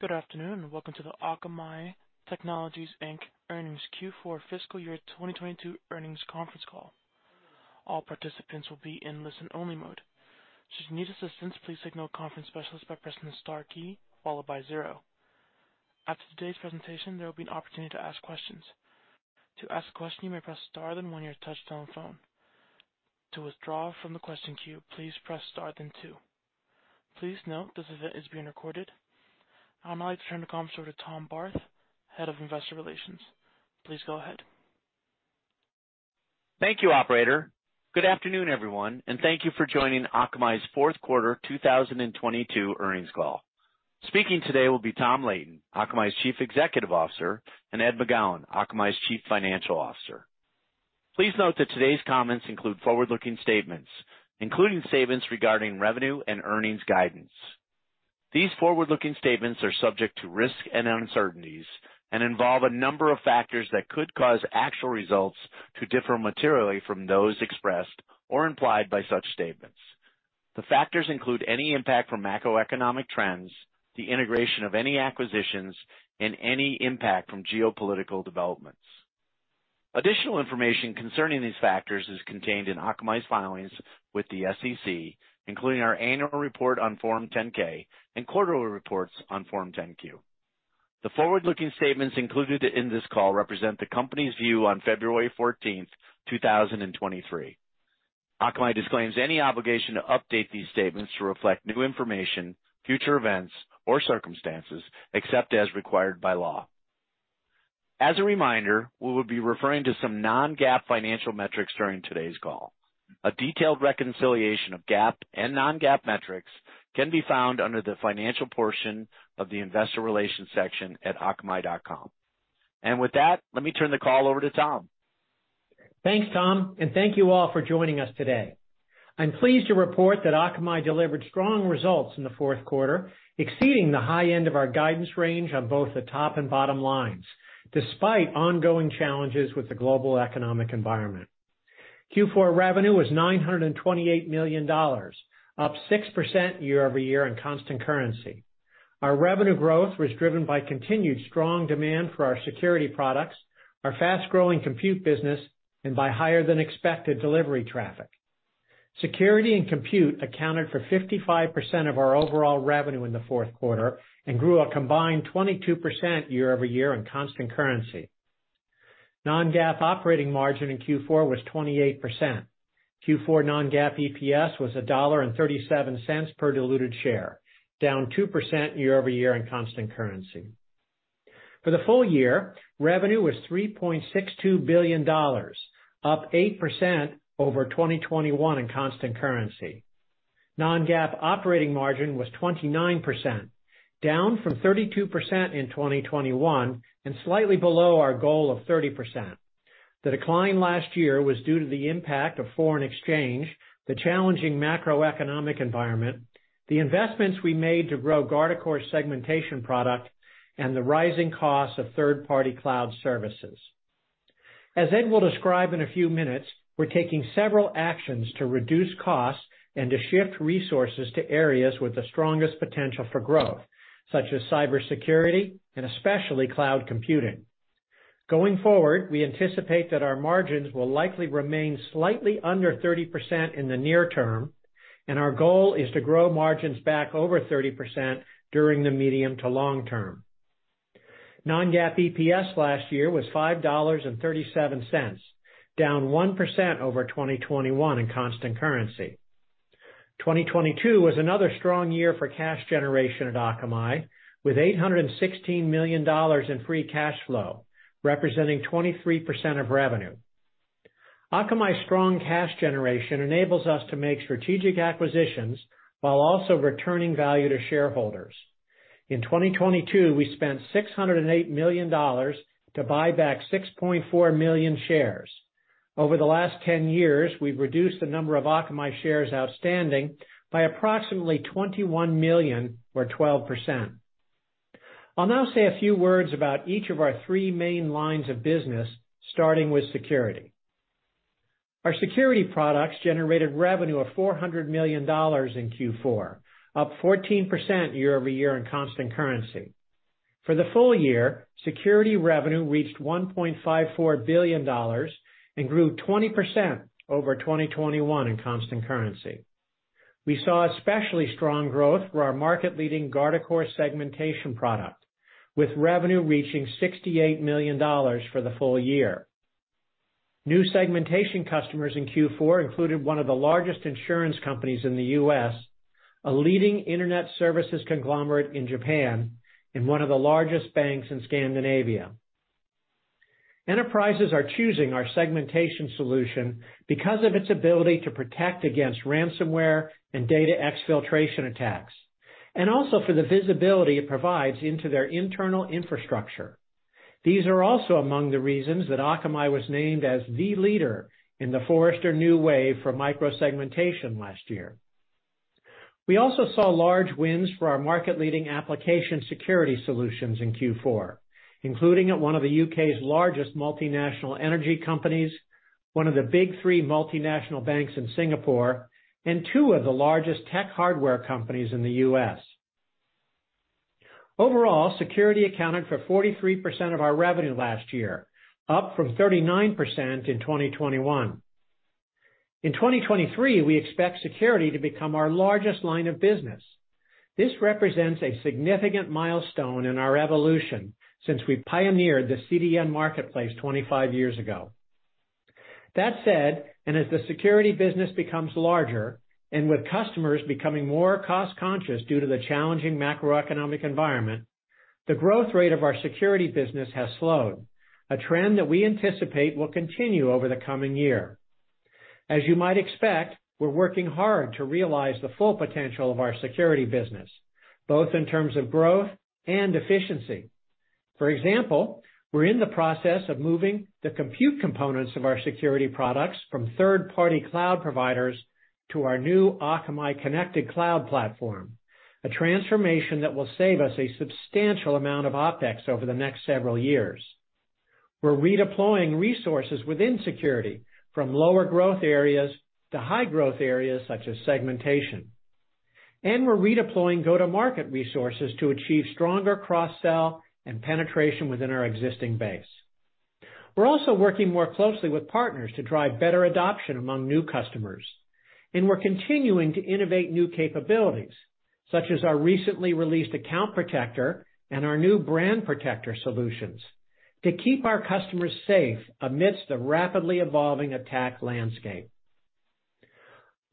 Good afternoon, welcome to the Akamai Technologies, Inc. Earnings Q4 Fiscal Year 2022 Earnings Conference Call. All participants will be in listen-only mode. Should you need assistance, please signal a conference specialist by pressing the star key followed by zero. After today's presentation, there will be an opportunity to ask questions. To ask a question, you may press star then one on your touch-tone phone. To withdraw from the question queue, please press star then two. Please note this event is being recorded. I'd like to turn the call over to Tom Barth, head of investor relations. Please go ahead. Thank you, operator. Good afternoon, everyone, and thank you for joining Akamai's fourth quarter 2022 earnings call. Speaking today will be Tom Leighton, Akamai's Chief Executive Officer, and Ed McGowan, Akamai's Chief Financial Officer. Please note that today's comments include forward-looking statements, including statements regarding revenue and earnings guidance. These forward-looking statements are subject to risks and uncertainties and involve a number of factors that could cause actual results to differ materially from those expressed or implied by such statements. The factors include any impact from macroeconomic trends, the integration of any acquisitions, and any impact from geopolitical developments. Additional information concerning these factors is contained in Akamai's filings with the SEC, including our annual report on Form 10-K and quarterly reports on Form 10-Q. The forward-looking statements included in this call represent the company's view on February 14th, 2023. Akamai disclaims any obligation to update these statements to reflect new information, future events, or circumstances except as required by law. As a reminder, we will be referring to some non-GAAP financial metrics during today's call. A detailed reconciliation of GAAP and non-GAAP metrics can be found under the financial portion of the investor relations section at akamai.com. With that, let me turn the call over to Tom. Thanks, Tom. Thank you all for joining us today. I'm pleased to report that Akamai delivered strong results in the fourth quarter, exceeding the high end of our guidance range on both the top and bottom lines, despite ongoing challenges with the global economic environment. Q4 revenue was $928 million, up 6% year-over-year in constant currency. Our revenue growth was driven by continued strong demand for our security products, our fast-growing compute business, and by higher than expected delivery traffic. Security and compute accounted for 55% of our overall revenue in the fourth quarter and grew a combined 22% year-over-year in constant currency. Non-GAAP operating margin in Q4 was 28%. Q4 non-GAAP EPS was $1.37 per diluted share, down 2% year-over-year in constant currency. For the full year, revenue was $3.62 billion, up 8% over 2021 in constant currency. Non-GAAP operating margin was 29%, down from 32% in 2021 and slightly below our goal of 30%. The decline last year was due to the impact of foreign exchange, the challenging macroeconomic environment, the investments we made to grow Guardicore Segmentation product, and the rising cost of third-party cloud services. As Ed will describe in a few minutes, we're taking several actions to reduce costs and to shift resources to areas with the strongest potential for growth, such as cybersecurity and especially cloud computing. Going forward, we anticipate that our margins will likely remain slightly under 30% in the near term, and our goal is to grow margins back over 30% during the medium to long term. Non-GAAP EPS last year was $5.37, down 1% over 2021 in constant currency. 2022 was another strong year for cash generation at Akamai, with $816 million in free cash flow, representing 23% of revenue. Akamai's strong cash generation enables us to make strategic acquisitions while also returning value to shareholders. In 2022, we spent $608 million to buy back 6.4 million shares. Over the last 10 years, we've reduced the number of Akamai shares outstanding by approximately 21 million or 12%. I'll now say a few words about each of our three main lines of business, starting with security. Our security products generated revenue of $400 million in Q4, up 14% year-over-year in constant currency. For the full year, security revenue reached $1.54 billion and grew 20% over 2021 in constant currency. We saw especially strong growth for our market-leading Guardicore Segmentation product, with revenue reaching $68 million for the full year. New segmentation customers in Q4 included one of the largest insurance companies in the U.S., a leading internet services conglomerate in Japan, and one of the largest banks in Scandinavia. Enterprises are choosing our segmentation solution because of its ability to protect against ransomware and data exfiltration attacks, and also for the visibility it provides into their internal infrastructure. These are also among the reasons that Akamai was named as the leader in the Forrester New Wave for microsegmentation last year. We also saw large wins for our market-leading application security solutions in Q4, including at one of the U.K.'s largest multinational energy companies. One of the big three multinational banks in Singapore and two of the largest tech hardware companies in the U.S. Overall, security accounted for 43% of our revenue last year, up from 39% in 2021. In 2023, we expect security to become our largest line of business. This represents a significant milestone in our evolution since we pioneered the CDN marketplace 25 years ago. That said, and as the security business becomes larger and with customers becoming more cost-conscious due to the challenging macroeconomic environment, the growth rate of our security business has slowed, a trend that we anticipate will continue over the coming year. As you might expect, we're working hard to realize the full potential of our security business, both in terms of growth and efficiency. For example, we're in the process of moving the compute components of our security products from third-party cloud providers to our new Akamai Connected Cloud platform, a transformation that will save us a substantial amount of OpEx over the next several years. We're redeploying resources within security from lower growth areas to high growth areas such as segmentation. We're redeploying go-to-market resources to achieve stronger cross-sell and penetration within our existing base. We're also working more closely with partners to drive better adoption among new customers. We're continuing to innovate new capabilities, such as our recently released Account Protector and our new Brand Protector solutions to keep our customers safe amidst a rapidly evolving attack landscape.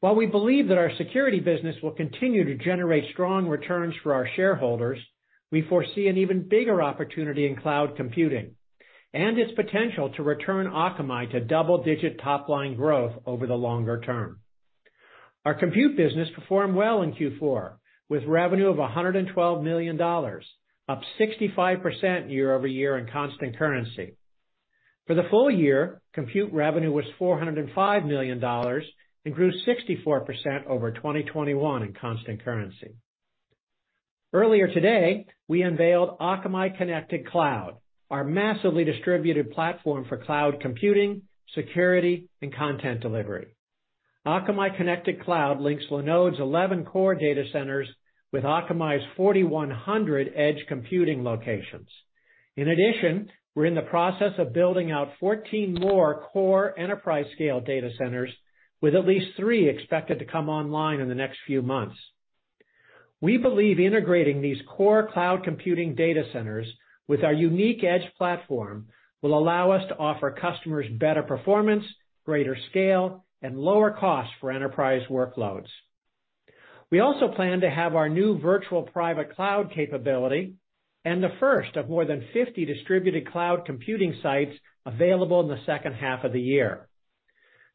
While we believe that our security business will continue to generate strong returns for our shareholders, we foresee an even bigger opportunity in cloud computing and its potential to return Akamai to double-digit top-line growth over the longer term. Our compute business performed well in Q4, with revenue of $112 million, up 65% year-over-year in constant currency. For the full year, compute revenue was $405 million and grew 64% over 2021 in constant currency. Earlier today, we unveiled Akamai Connected Cloud, our massively distributed platform for cloud computing, security, and content delivery. Akamai Connected Cloud links Linode's 11 core data centers with Akamai's 4,100 edge computing locations. In addition, we're in the process of building out 14 more core enterprise scale data centers with at least 3 expected to come online in the next few months. We believe integrating these core cloud computing data centers with our unique edge platform will allow us to offer customers better performance, greater scale, and lower cost for enterprise workloads. We also plan to have our new virtual private cloud capability and the first of more than 50 distributed cloud computing sites available in the second half of the year.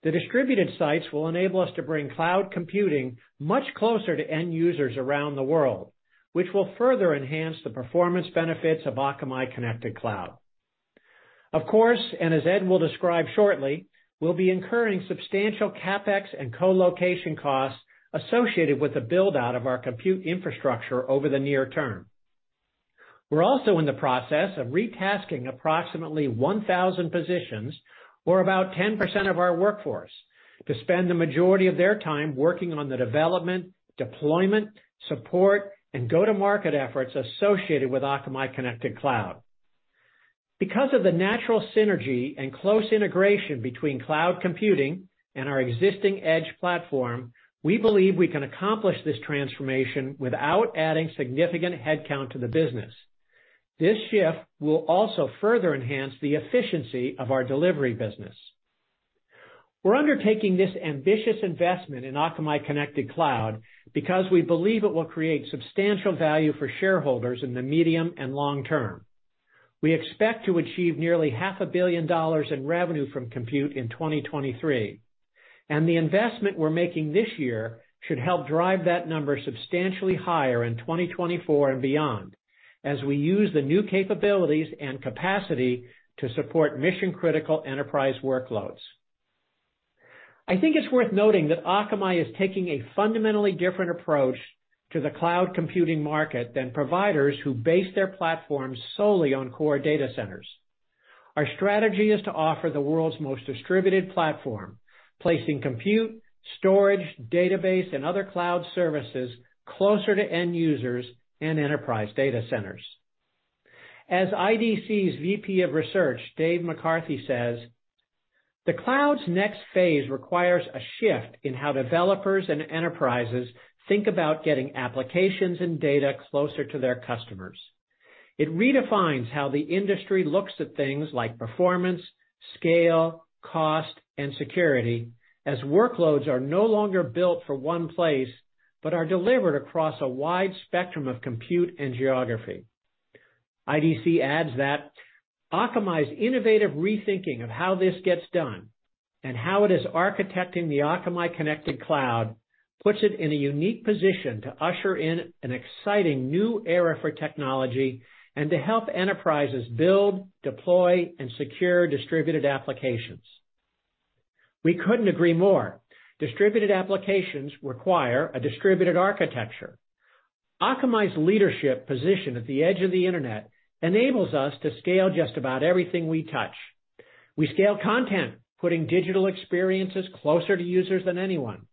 The distributed sites will enable us to bring cloud computing much closer to end users around the world, which will further enhance the performance benefits of Akamai Connected Cloud. Of course, as Ed will describe shortly, we'll be incurring substantial CapEx and colocation costs associated with the build-out of our compute infrastructure over the near term. We're also in the process of retasking approximately 1,000 positions or about 10% of our workforce to spend the majority of their time working on the development, deployment, support, and go-to-market efforts associated with Akamai Connected Cloud. Because of the natural synergy and close integration between cloud computing and our existing edge platform, we believe we can accomplish this transformation without adding significant headcount to the business. This shift will also further enhance the efficiency of our delivery business. We're undertaking this ambitious investment in Akamai Connected Cloud because we believe it will create substantial value for shareholders in the medium and long term. We expect to achieve nearly $0.5 billion dollars in revenue from compute in 2023. The investment we're making this year should help drive that number substantially higher in 2024 and beyond as we use the new capabilities and capacity to support mission-critical enterprise workloads. I think it's worth noting that Akamai is taking a fundamentally different approach to the cloud computing market than providers who base their platforms solely on core data centers. Our strategy is to offer the world's most distributed platform, placing compute, storage, database, and other cloud services closer to end users and enterprise data centers. As IDC's VP of Research, Dave McCarthy says, "The cloud's next phase requires a shift in how developers and enterprises think about getting applications and data closer to their customers. It redefines how the industry looks at things like performance, scale, cost, and security as workloads are no longer built for one place but are delivered across a wide spectrum of compute and geography." IDC adds that, "Akamai's innovative rethinking of how this gets done and how it is architecting the Akamai Connected Cloud puts it in a unique position to usher in an exciting new era for technology and to help enterprises build, deploy, and secure distributed applications." We couldn't agree more. Distributed applications require a distributed architecture. Akamai's leadership position at the edge of the internet enables us to scale just about everything we touch. We scale content, putting digital experiences closer to users than anyone.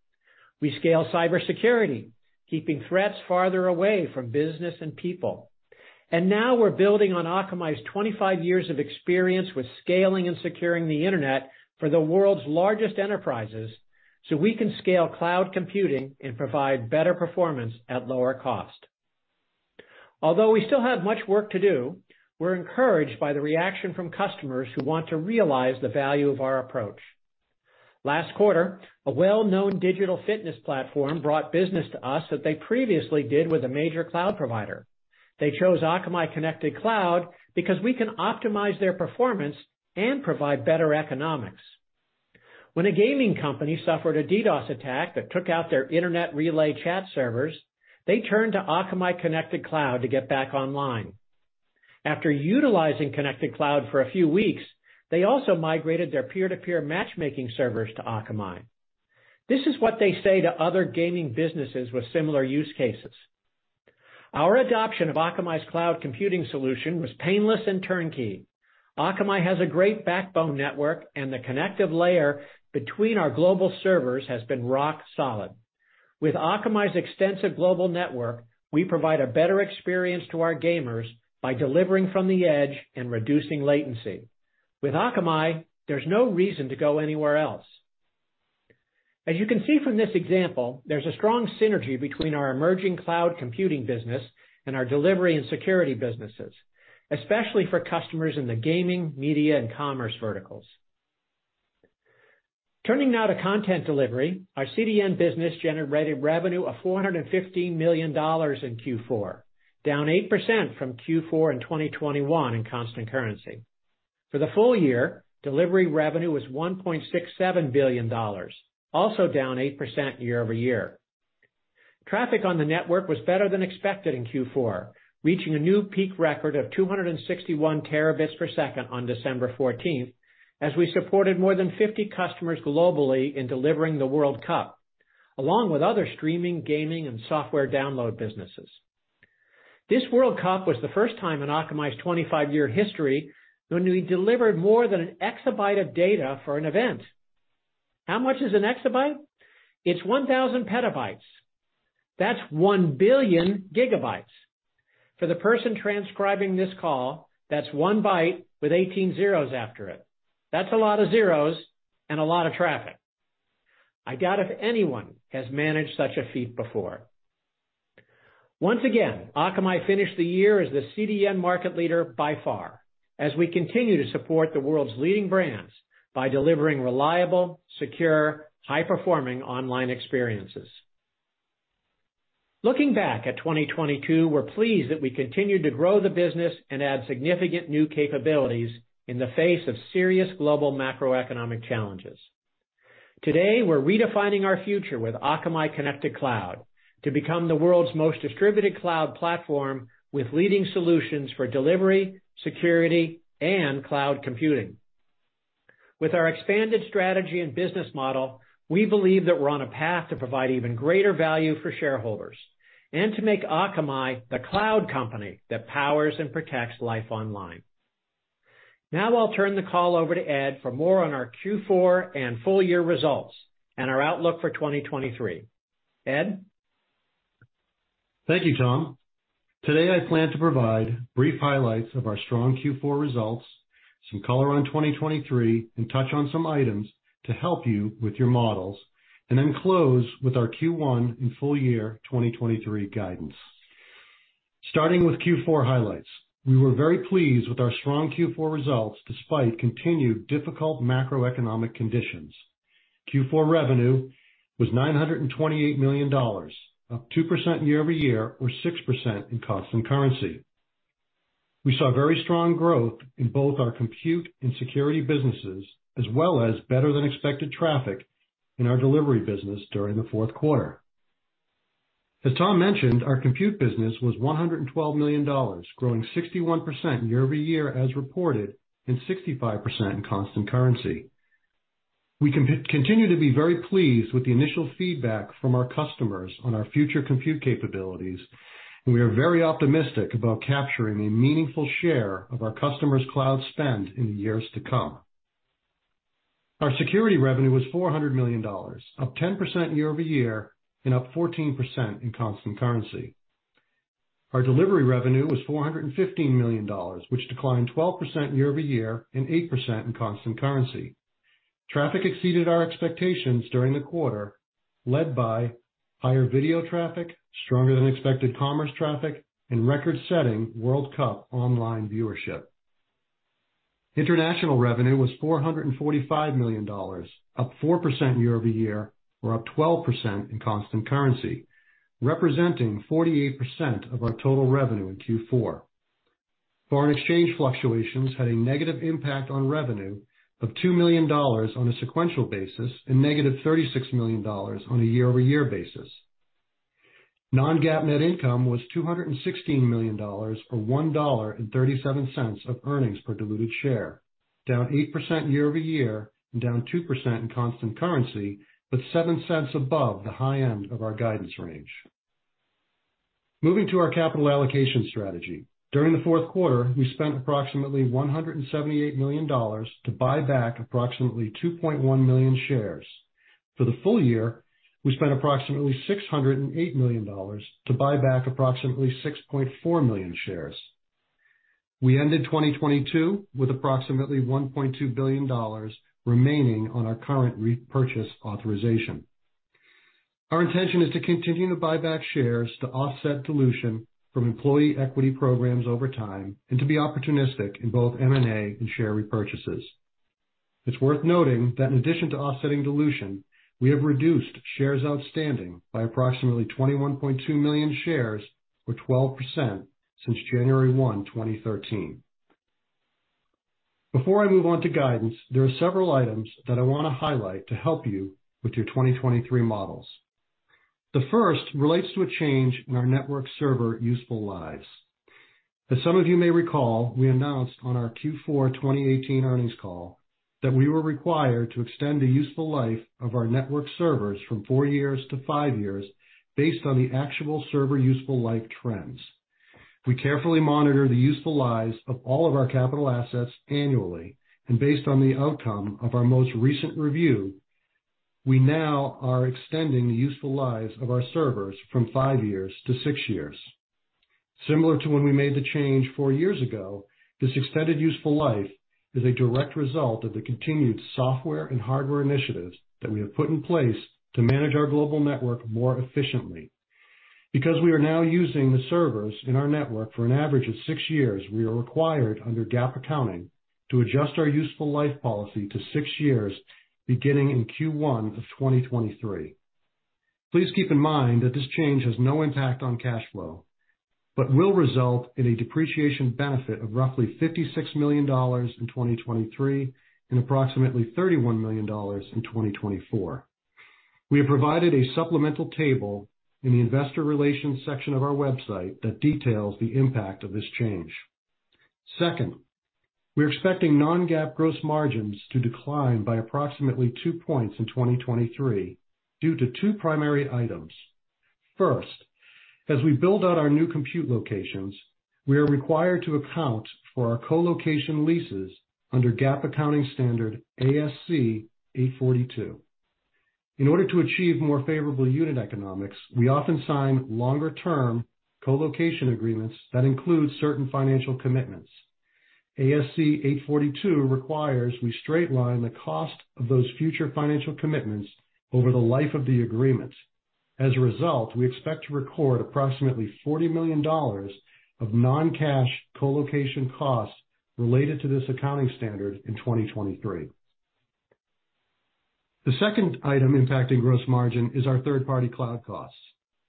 We scale cybersecurity, keeping threats farther away from business and people. Now we're building on Akamai's 25 years of experience with scaling and securing the Internet for the world's largest enterprises, so we can scale cloud computing and provide better performance at lower cost. Although we still have much work to do, we're encouraged by the reaction from customers who want to realize the value of our approach. Last quarter, a well-known digital fitness platform brought business to us that they previously did with a major cloud provider. They chose Akamai Connected Cloud because we can optimize their performance and provide better economics. When a gaming company suffered a DDoS attack that took out their Internet Relay Chat servers, they turned to Akamai Connected Cloud to get back online. After utilizing Connected Cloud for a few weeks, they also migrated their peer-to-peer matchmaking servers to Akamai. This is what they say to other gaming businesses with similar use cases. Our adoption of Akamai's cloud computing solution was painless and turnkey. Akamai has a great backbone network, and the connective layer between our global servers has been rock solid. With Akamai's extensive global network, we provide a better experience to our gamers by delivering from the edge and reducing latency. With Akamai, there's no reason to go anywhere else. As you can see from this example, there's a strong synergy between our emerging cloud computing business and our delivery and security businesses, especially for customers in the gaming, media, and commerce verticals. Turning now to content delivery. Our CDN business generated revenue of $415 million in Q4, down 8% from Q4 in 2021 in constant currency. For the full year, delivery revenue was $1.67 billion, also down 8% year-over-year. Traffic on the network was better than expected in Q4, reaching a new peak record of 261 Tbps on December 14th, as we supported more than 50 customers globally in delivering the World Cup, along with other streaming, gaming, and software download businesses. This World Cup was the first time in Akamai's 25-year history when we delivered more than an exabyte of data for an event. How much is an exabyte? It's 1,000 PB. That's 1 billion GB. For the person transcribing this call, that's one byte with 18 zeros after it. That's a lot of zeros and a lot of traffic. I doubt if anyone has managed such a feat before. Once again, Akamai finished the year as the CDN market leader by far, as we continue to support the world's leading brands by delivering reliable, secure, high-performing online experiences. Looking back at 2022, we're pleased that we continued to grow the business and add significant new capabilities in the face of serious global macroeconomic challenges. Today, we're redefining our future with Akamai Connected Cloud to become the world's most distributed cloud platform with leading solutions for delivery, security, and cloud computing. With our expanded strategy and business model, we believe that we're on a path to provide even greater value for shareholders and to make Akamai the cloud company that powers and protects life online. Now I'll turn the call over to Ed for more on our Q4 and full year results and our outlook for 2023. Ed? Thank you, Tom. Today, I plan to provide brief highlights of our strong Q4 results, some color on 2023, and touch on some items to help you with your models, and then close with our Q1 and full year 2023 guidance. Starting with Q4 highlights. We were very pleased with our strong Q4 results despite continued difficult macroeconomic conditions. Q4 revenue was $928 million, up 2% year-over-year, or 6% in constant currency. We saw very strong growth in both our compute and security businesses, as well as better than expected traffic in our delivery business during the fourth quarter. As Tom mentioned, our compute business was $112 million, growing 61% year-over-year as reported, and 65% in constant currency. We continue to be very pleased with the initial feedback from our customers on our future compute capabilities. We are very optimistic about capturing a meaningful share of our customers' cloud spend in the years to come. Our security revenue was $400 million, up 10% year-over-year, Up 14% in constant currency. Our delivery revenue was $415 million, which declined 12% year-over-year 8% in constant currency. Traffic exceeded our expectations during the quarter, led by higher video traffic, stronger than expected commerce traffic, and record-setting World Cup online viewership. International revenue was $445 million, up 4% year-over-year, Up 12% in constant currency, representing 48% of our total revenue in Q4. Foreign exchange fluctuations had a negative impact on revenue of $2 million on a sequential basis and negative $36 million on a year-over-year basis. Non-GAAP net income was $216 million, or $1.37 of earnings per diluted share. Down 8% year-over-year and down 2% in constant currency, $0.07 above the high end of our guidance range. Moving to our capital allocation strategy. During the fourth quarter, we spent approximately $178 million to buy back approximately 2.1 million shares. For the full year, we spent approximately $608 million to buy back approximately 6.4 million shares. We ended 2022 with approximately $1.2 billion remaining on our current repurchase authorization. Our intention is to continue to buy back shares to offset dilution from employee equity programs over time and to be opportunistic in both M&A and share repurchases. It's worth noting that in addition to offsetting dilution, we have reduced shares outstanding by approximately 21.2 million shares, or 12% since January 1, 2013. Before I move on to guidance, there are several items that I wanna highlight to help you with your 2023 models. The first relates to a change in our network server useful lives. As some of you may recall, we announced on our Q4 2018 earnings call that we were required to extend the useful life of our network servers from four years to five years based on the actual server useful life trends. We carefully monitor the useful lives of all of our capital assets annually. Based on the outcome of our most recent review, we now are extending the useful lives of our servers from five years to six years. Similar to when we made the change four years ago, this extended useful life is a direct result of the continued software and hardware initiatives that we have put in place to manage our global network more efficiently. Because we are now using the servers in our network for an average of six years, we are required under GAAP accounting to adjust our useful life policy to six years beginning in Q1 of 2023. Please keep in mind that this change has no impact on cash flow, but will result in a depreciation benefit of roughly $56 million in 2023 and approximately $31 million in 2024. We have provided a supplemental table in the investor relations section of our website that details the impact of this change. We're expecting non-GAAP gross margins to decline by approximately two points in 2023 due to two primary items. As we build out our new compute locations, we are required to account for our co-location leases under GAAP accounting standard ASC 842. In order to achieve more favorable unit economics, we often sign longer-term co-location agreements that include certain financial commitments. ASC 842 requires we straight line the cost of those future financial commitments over the life of the agreement. As a result, we expect to record approximately $40 million of non-cash co-location costs related to this accounting standard in 2023. The second item impacting gross margin is our third-party cloud costs.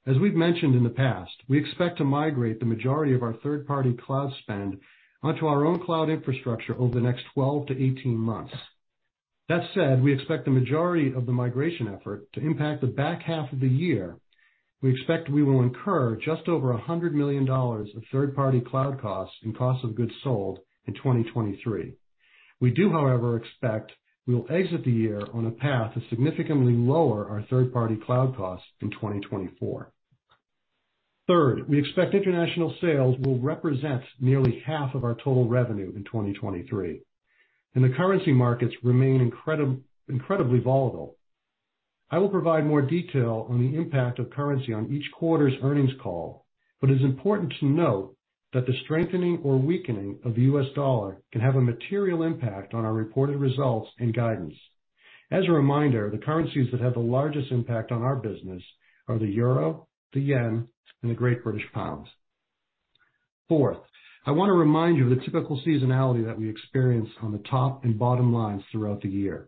As we've mentioned in the past, we expect to migrate the majority of our third-party cloud spend onto our own cloud infrastructure over the next 12-18 months. That said, we expect the majority of the migration effort to impact the back half of the year. We expect we will incur just over $100 million of third-party cloud costs and cost of goods sold in 2023. We do, however, expect we will exit the year on a path to significantly lower our third-party cloud costs in 2024. Third, we expect international sales will represent nearly half of our total revenue in 2023, and the currency markets remain incredibly volatile. I will provide more detail on the impact of currency on each quarter's earnings call, but it's important to note that the strengthening or weakening of the U.S. dollar can have a material impact on our reported results and guidance. As a reminder, the currencies that have the largest impact on our business are the euro, the yen, and the great British pound. Fourth, I wanna remind you of the typical seasonality that we experience on the top and bottom lines throughout the year.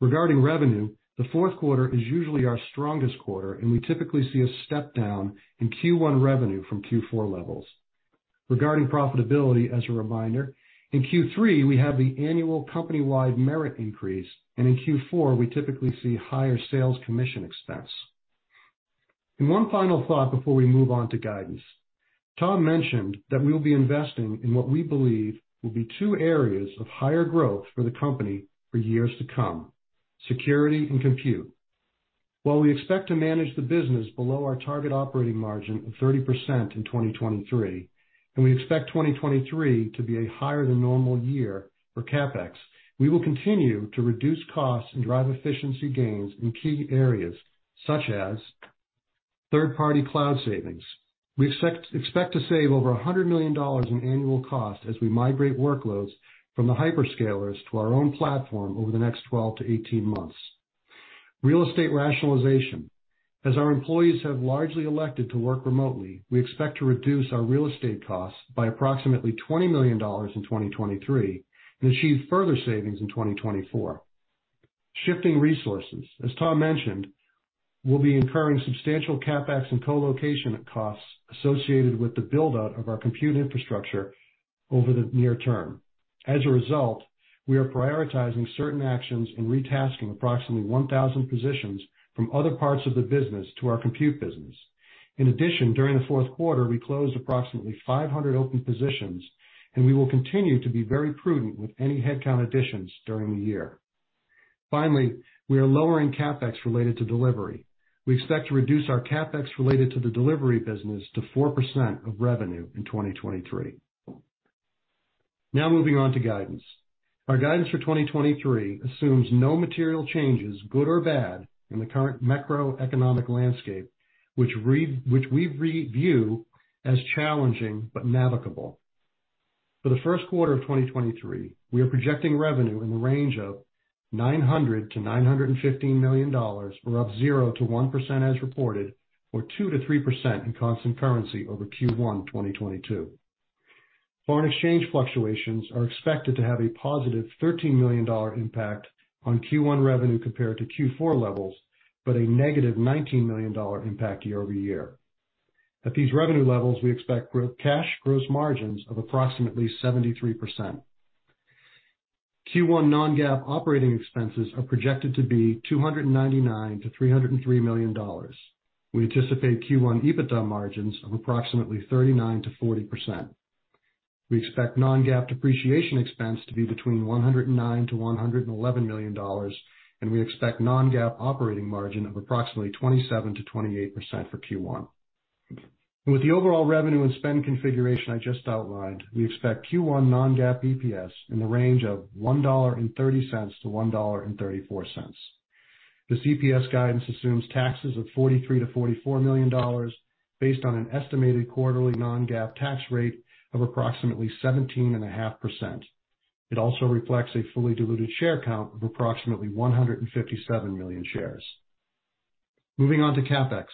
Regarding revenue, the fourth quarter is usually our strongest quarter, and we typically see a step down in Q1 revenue from Q4 levels. Regarding profitability, as a reminder, in Q3, we have the annual company-wide merit increase, and in Q4, we typically see higher sales commission expense. One final thought before we move on to guidance. Tom mentioned that we will be investing in what we believe will be two areas of higher growth for the company for years to come, security and compute. While we expect to manage the business below our target operating margin of 30% in 2023, and we expect 2023 to be a higher than normal year for CapEx, we will continue to reduce costs and drive efficiency gains in key areas such as third-party cloud savings. We expect to save over $100 million in annual cost as we migrate workloads from the hyperscalers to our own platform over the next 12-18 months. Real estate rationalization. As our employees have largely elected to work remotely, we expect to reduce our real estate costs by approximately $20 million in 2023 and achieve further savings in 2024. Shifting resources. As Tom mentioned, we'll be incurring substantial CapEx and co-location costs associated with the build-out of our compute infrastructure over the near term. As a result, we are prioritizing certain actions and retasking approximately 1,000 positions from other parts of the business to our compute business. In addition, during the fourth quarter, we closed approximately 500 open positions, and we will continue to be very prudent with any headcount additions during the year. Finally, we are lowering CapEx related to delivery. We expect to reduce our CapEx related to the delivery business to 4% of revenue in 2023. Moving on to guidance. Our guidance for 2023 assumes no material changes, good or bad, in the current macroeconomic landscape, which we review as challenging but navigable. For the first quarter of 2023, we are projecting revenue in the range of $900 million-$915 million, or up 0%-1% as reported, or 2%-3% in constant currency over Q1 2022. Foreign exchange fluctuations are expected to have a positive $13 million impact on Q1 revenue compared to Q4 levels, but a negative $19 million impact year-over-year. At these revenue levels, we expect cash gross margins of approximately 73%. Q1 non-GAAP operating expenses are projected to be $299 million-$303 million. We anticipate Q1 EBITDA margins of approximately 39%-40%. We expect non-GAAP depreciation expense to be between $109 million and $111 million, and we expect non-GAAP operating margin of approximately 27%-28% for Q1. With the overall revenue and spend configuration I just outlined, we expect Q1 non-GAAP EPS in the range of $1.30-$1.34. This EPS guidance assumes taxes of $43 million-$44 million based on an estimated quarterly non-GAAP tax rate of approximately 17.5%. It also reflects a fully diluted share count of approximately 157 million shares. Moving on to CapEx.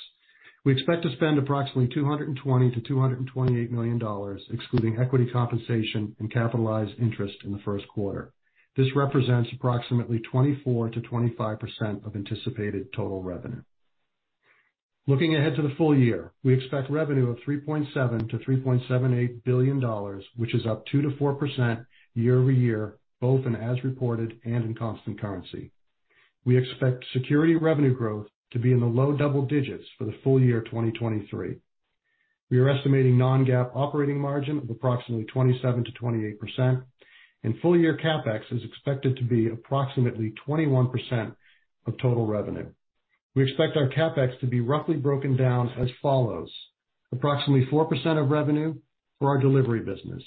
We expect to spend approximately $220 million-$228 million, excluding equity compensation and capitalized interest in the first quarter. This represents approximately 24%-25% of anticipated total revenue. Looking ahead to the full year, we expect revenue of $3.7 billion-$3.78 billion, which is up 2%-4% year-over-year, both in as reported and in constant currency. We expect security revenue growth to be in the low double digits for the full year 2023. We are estimating non-GAAP operating margin of approximately 27%-28%, and full-year CapEx is expected to be approximately 21% of total revenue. We expect our CapEx to be roughly broken down as follows: approximately 4% of revenue for our delivery business,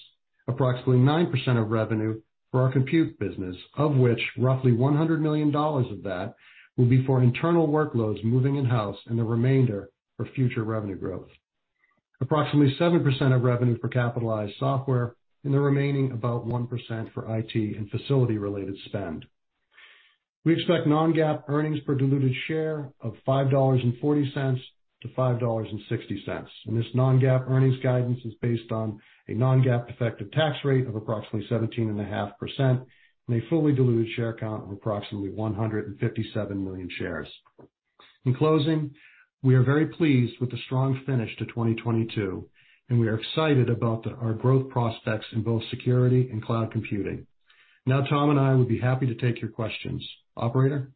approximately 9% of revenue for our compute business, of which roughly $100 million of that will be for internal workloads moving in-house and the remainder for future revenue growth. Approximately 7% of revenue for capitalized software and the remaining about 1% for IT and facility-related spend. We expect non-GAAP earnings per diluted share of $5.40-$5.60. This non-GAAP earnings guidance is based on a non-GAAP effective tax rate of approximately 17.5% and a fully diluted share count of approximately 157 million shares. In closing, we are very pleased with the strong finish to 2022, and we are excited about our growth prospects in both security and cloud computing. Tom and I will be happy to take your questions. Operator?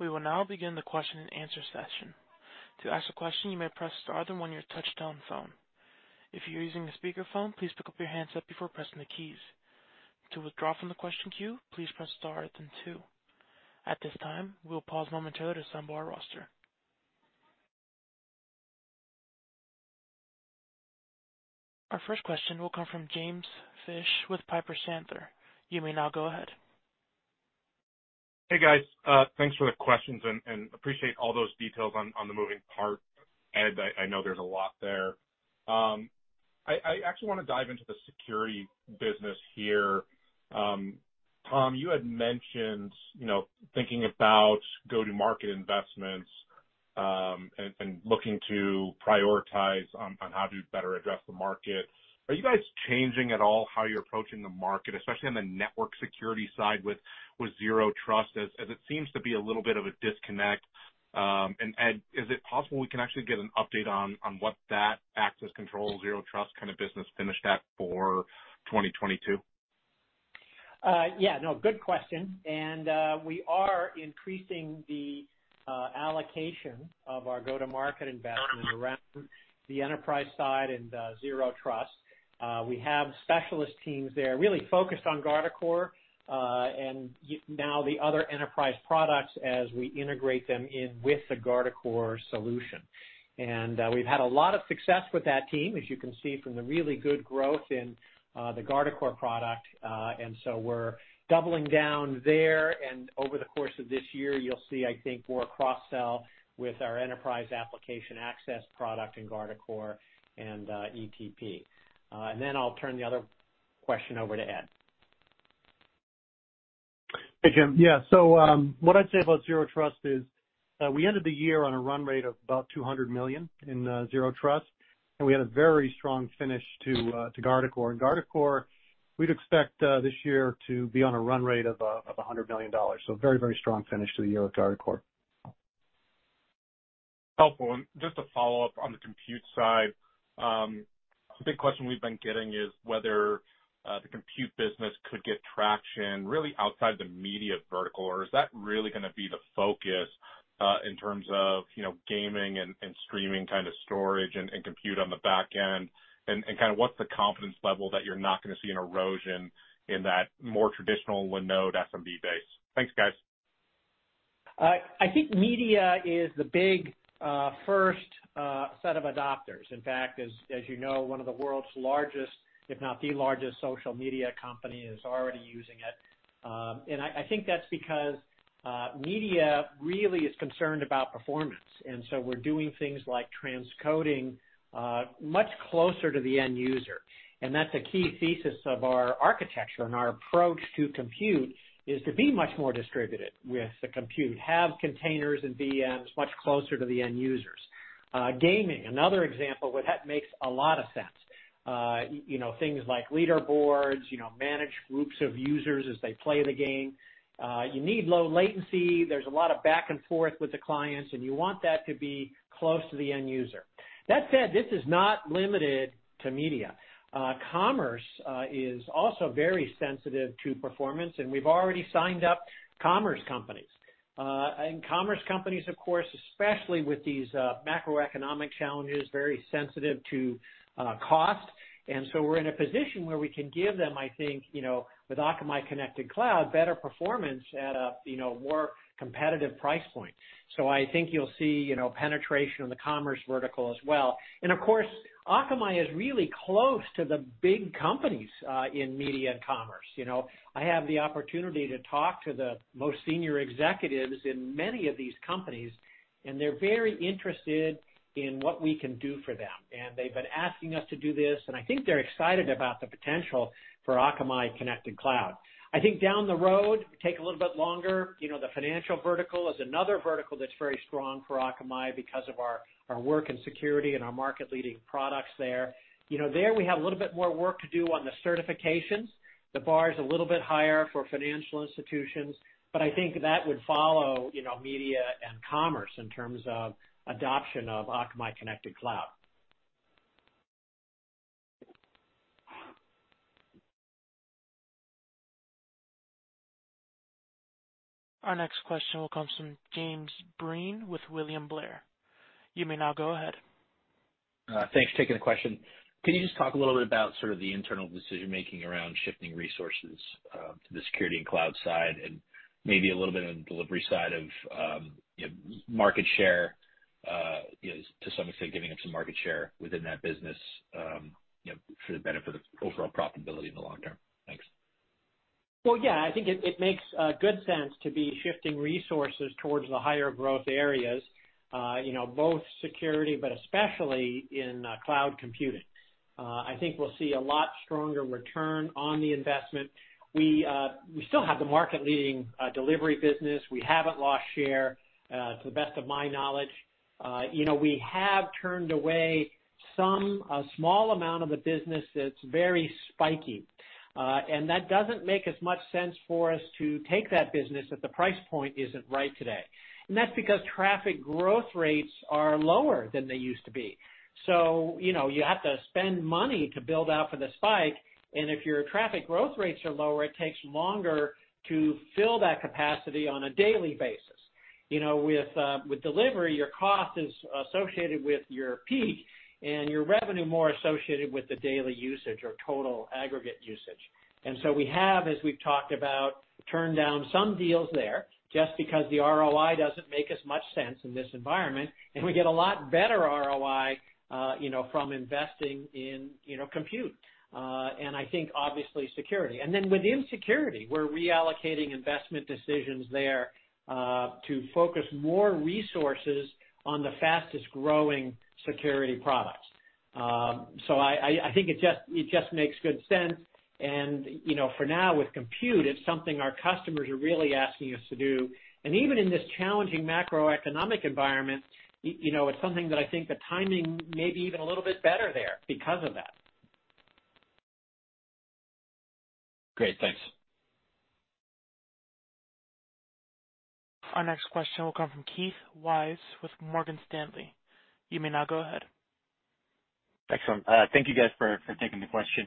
We will now begin the question-and-answer session. To ask a question, you may press star then one your touch-tone phone. If you're using a speakerphone, please pick up your handset before pressing the keys. To withdraw from the question queue, please press star then two. At this time, we'll pause momentarily to assemble our roster. Our first question will come from James Fish with Piper Sandler. You may now go ahead. Hey, guys. Thanks for the questions and appreciate all those details on the moving parts, Ed. I know there's a lot there. I actually wanna dive into the security business here. Tom, you had mentioned, you know, thinking about go-to-market investments, and looking to prioritize on how to better address the market. Are you guys changing at all how you're approaching the market, especially on the network security side with Zero Trust, as it seems to be a little bit of a disconnect. Ed, is it possible we can actually get an update on what that access control Zero Trust kinda business finished at for 2022? Yeah, no, good question. We are increasing the allocation of our go-to-market investment around the enterprise side and Zero Trust. We have specialist teams there really focused on Guardicore, and now the other enterprise products as we integrate them in with the Guardicore solution. We've had a lot of success with that team, as you can see from the really good growth in the Guardicore product. So we're doubling down there, and over the course of this year, you'll see, I think, more cross-sell with our Enterprise Application Access product in Guardicore and ETP. Then I'll turn the other question over to Ed. Hey, James. What I'd say about Zero Trust is we ended the year on a run rate of about $200 million in Zero Trust, and we had a very strong finish to Guardicore. Guardicore, we'd expect this year to be on a run rate of $100 million. Very strong finish to the year with Guardicore. Helpful. Just to follow up on the compute side, a big question we've been getting is whether the compute business could get traction really outside the media vertical, or is that really going to be the focus? In terms of, you know, gaming and streaming kind of storage and compute on the back end and kind of what's the confidence level that you're not gonna see an erosion in that more traditional Linode SMB base? Thanks, guys. I think media is the big first set of adopters. In fact, as you know, one of the world's largest, if not the largest social media company is already using it. I think that's because media really is concerned about performance, we're doing things like transcoding much closer to the end user. That's a key thesis of our architecture, and our approach to compute is to be much more distributed with the compute, have containers and VMs much closer to the end users. Gaming, another example where that makes a lot of sense. You know, things like leaderboards, you know, manage groups of users as they play the game. You need low latency. There's a lot of back and forth with the clients, you want that to be close to the end user. That said, this is not limited to media. Commerce is also very sensitive to performance, and we've already signed up commerce companies. Commerce companies, of course, especially with these macroeconomic challenges, very sensitive to cost. We're in a position where we can give them, I think, you know, with Akamai Connected Cloud, better performance at a, you know, more competitive price point. I think you'll see, you know, penetration in the commerce vertical as well. Of course, Akamai is really close to the big companies in media and commerce. You know, I have the opportunity to talk to the most senior executives in many of these companies, and they're very interested in what we can do for them. They've been asking us to do this, and I think they're excited about the potential for Akamai Connected Cloud. I think down the road, take a little bit longer, you know, the financial vertical is another vertical that's very strong for Akamai because of our work in security and our market-leading products there. You know, there we have a little bit more work to do on the certifications. The bar is a little bit higher for financial institutions. I think that would follow, you know, media and commerce in terms of adoption of Akamai Connected Cloud. Our next question will come from Jim Breen with William Blair. You may now go ahead. Thanks for taking the question. Can you just talk a little bit about sort of the internal decision-making around shifting resources to the security and cloud side and maybe a little bit on the delivery side of, you know, market share, is to some extent giving up some market share within that business, you know, for the benefit of overall profitability in the long term? Thanks. Well, yeah. I think it makes good sense to be shifting resources towards the higher growth areas, you know, both security, but especially in cloud computing. I think we'll see a lot stronger return on the investment. We still have the market-leading delivery business. We haven't lost share to the best of my knowledge. You know, we have turned away some, a small amount of the business that's very spiky. That doesn't make as much sense for us to take that business if the price point isn't right today. That's because traffic growth rates are lower than they used to be. You know, you have to spend money to build out for the spike, and if your traffic growth rates are lower, it takes longer to fill that capacity on a daily basis. You know, with delivery, your cost is associated with your peak and your revenue more associated with the daily usage or total aggregate usage. We have, as we've talked about, turned down some deals there just because the ROI doesn't make as much sense in this environment, and we get a lot better ROI, you know, from investing in, you know, compute, and I think obviously security. Within security, we're reallocating investment decisions there, to focus more resources on the fastest-growing security products. I think it just makes good sense. You know, for now, with compute, it's something our customers are really asking us to do. Even in this challenging macroeconomic environment, you know, it's something that I think the timing may be even a little bit better there because of that. Great. Thanks. Our next question will come from Keith Weiss with Morgan Stanley. You may now go ahead. Excellent. Thank you guys for taking the question.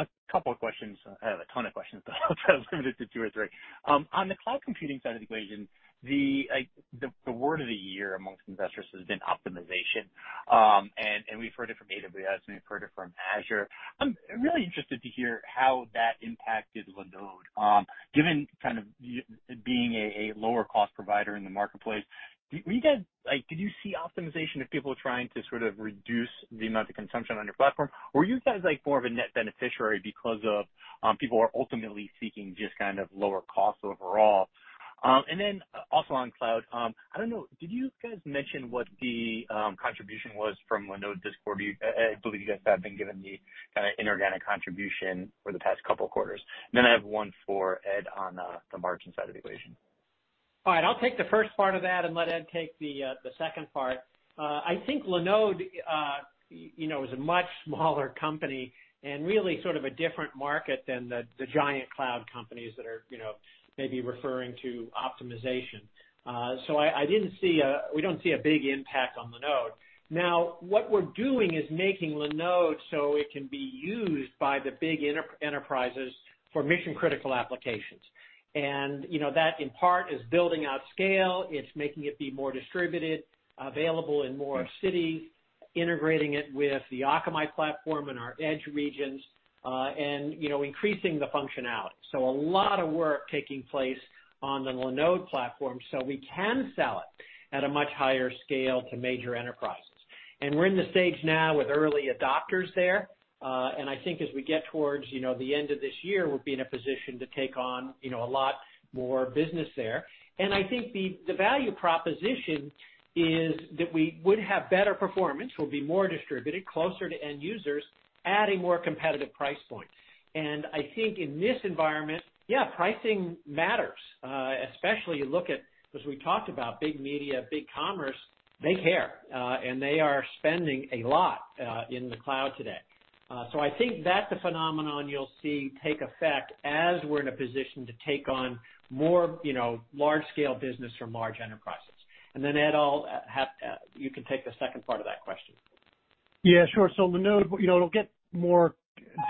A couple of questions. I have a ton of questions, but I'll limit it to two or three. On the cloud computing side of the equation, the word of the year amongst investors has been optimization. We've heard it from AWS, and we've heard it from Azure. I'm really interested to hear how that impacted Linode, given kind of being a lower cost provider in the marketplace. Were you guys, like, did you see optimization of people trying to sort of reduce the amount of consumption on your platform? Or were you guys, like, more of a net beneficiary because of people are ultimately seeking just kind of lower costs overall? Also on cloud, I don't know, did you guys mention what the contribution was from Linode this quarter? I believe you guys have been giving the kinda inorganic contribution for the past couple quarters. I have one for Ed on the margin side of the equation. All right. I'll take the first part of that and let Ed take the second part. I think Linode, you know, is a much smaller company and really sort of a different market than the giant cloud companies that are, you know, maybe referring to optimization. We don't see a big impact on Linode. Now, what we're doing is making Linode so it can be used by the big enterprises for mission-critical applications. You know, that in part is building out scale. It's making it be more distributed, available in more cities, integrating it with the Akamai platform and our edge regions, and, you know, increasing the functionality. A lot of work taking place on the Linode platform so we can sell it at a much higher scale to major enterprises. We're in the stage now with early adopters there. I think as we get towards, you know, the end of this year, we'll be in a position to take on, you know, a lot more business there. I think the value proposition is that we would have better performance. We'll be more distributed, closer to end users at a more competitive price point. I think in this environment, yeah, pricing matters, especially you look at, as we talked about, big media, big commerce, they care, and they are spending a lot in the cloud today. I think that's a phenomenon you'll see take effect as we're in a position to take on more, you know, large scale business from large enterprises. Then, Ed, I'll have. You can take the second part of that question. Yeah, sure. Linode, you know, it'll get more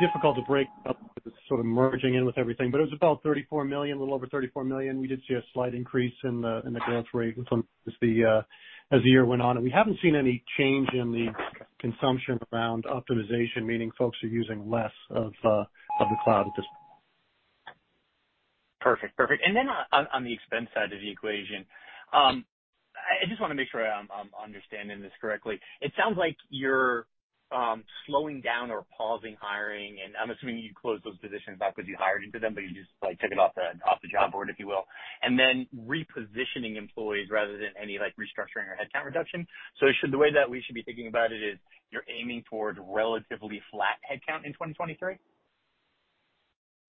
difficult to break up because it's sort of merging in with everything, but it was about $34 million, a little over $34 million. We did see a slight increase in the growth rate as the year went on. We haven't seen any change in the consumption around optimization, meaning folks are using less of the cloud at this point. Perfect. Perfect. On, on the expense side of the equation, I just wanna make sure I'm understanding this correctly. It sounds like you're slowing down or pausing hiring, and I'm assuming you closed those positions not because you hired into them, but you just, like, took it off the, off the job board, if you will. Repositioning employees rather than any, like, restructuring or headcount reduction. Should the way that we should be thinking about it is you're aiming toward relatively flat headcount in 2023?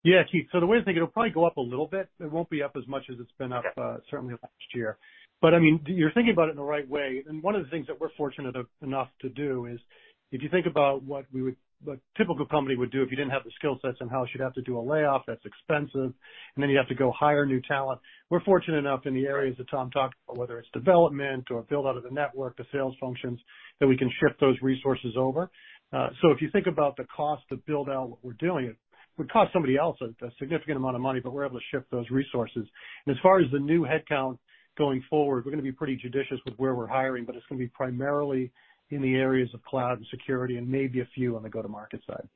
Keith. The way to think, it'll probably go up a little bit. It won't be up as much as it's been up certainly last year. I mean, you're thinking about it in the right way. One of the things that we're fortunate enough to do is, if you think about what we would a typical company would do if you didn't have the skill sets in-house, you'd have to do a layoff, that's expensive. Then you'd have to go hire new talent. We're fortunate enough in the areas that Tom talked about, whether it's development or build out of the network, the sales functions, that we can shift those resources over. If you think about the cost to build out what we're doing, it would cost somebody else a significant amount of money, but we're able to shift those resources. As far as the new headcount going forward, we're gonna be pretty judicious with where we're hiring, but it's gonna be primarily in the areas of cloud and security and maybe a few on the go-to-market side.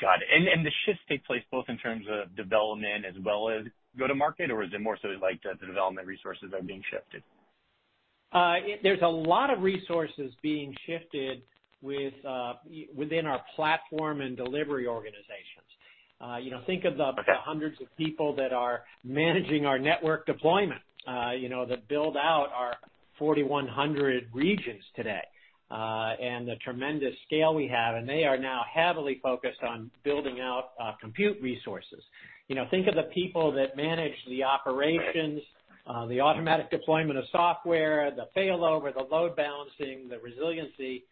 Got it. The shifts take place both in terms of development as well as go to market, or is it more so like the development resources are being shifted? There's a lot of resources being shifted with within our platform and delivery organizations. You know, think of the hundreds of people that are managing our network deployment, you know, that build out our 4,100 regions today, and the tremendous scale we have, and they are now heavily focused on building out compute resources. You know, think of the people that manage the operations, the automatic deployment of software, the failover, the load balancing, the resiliency.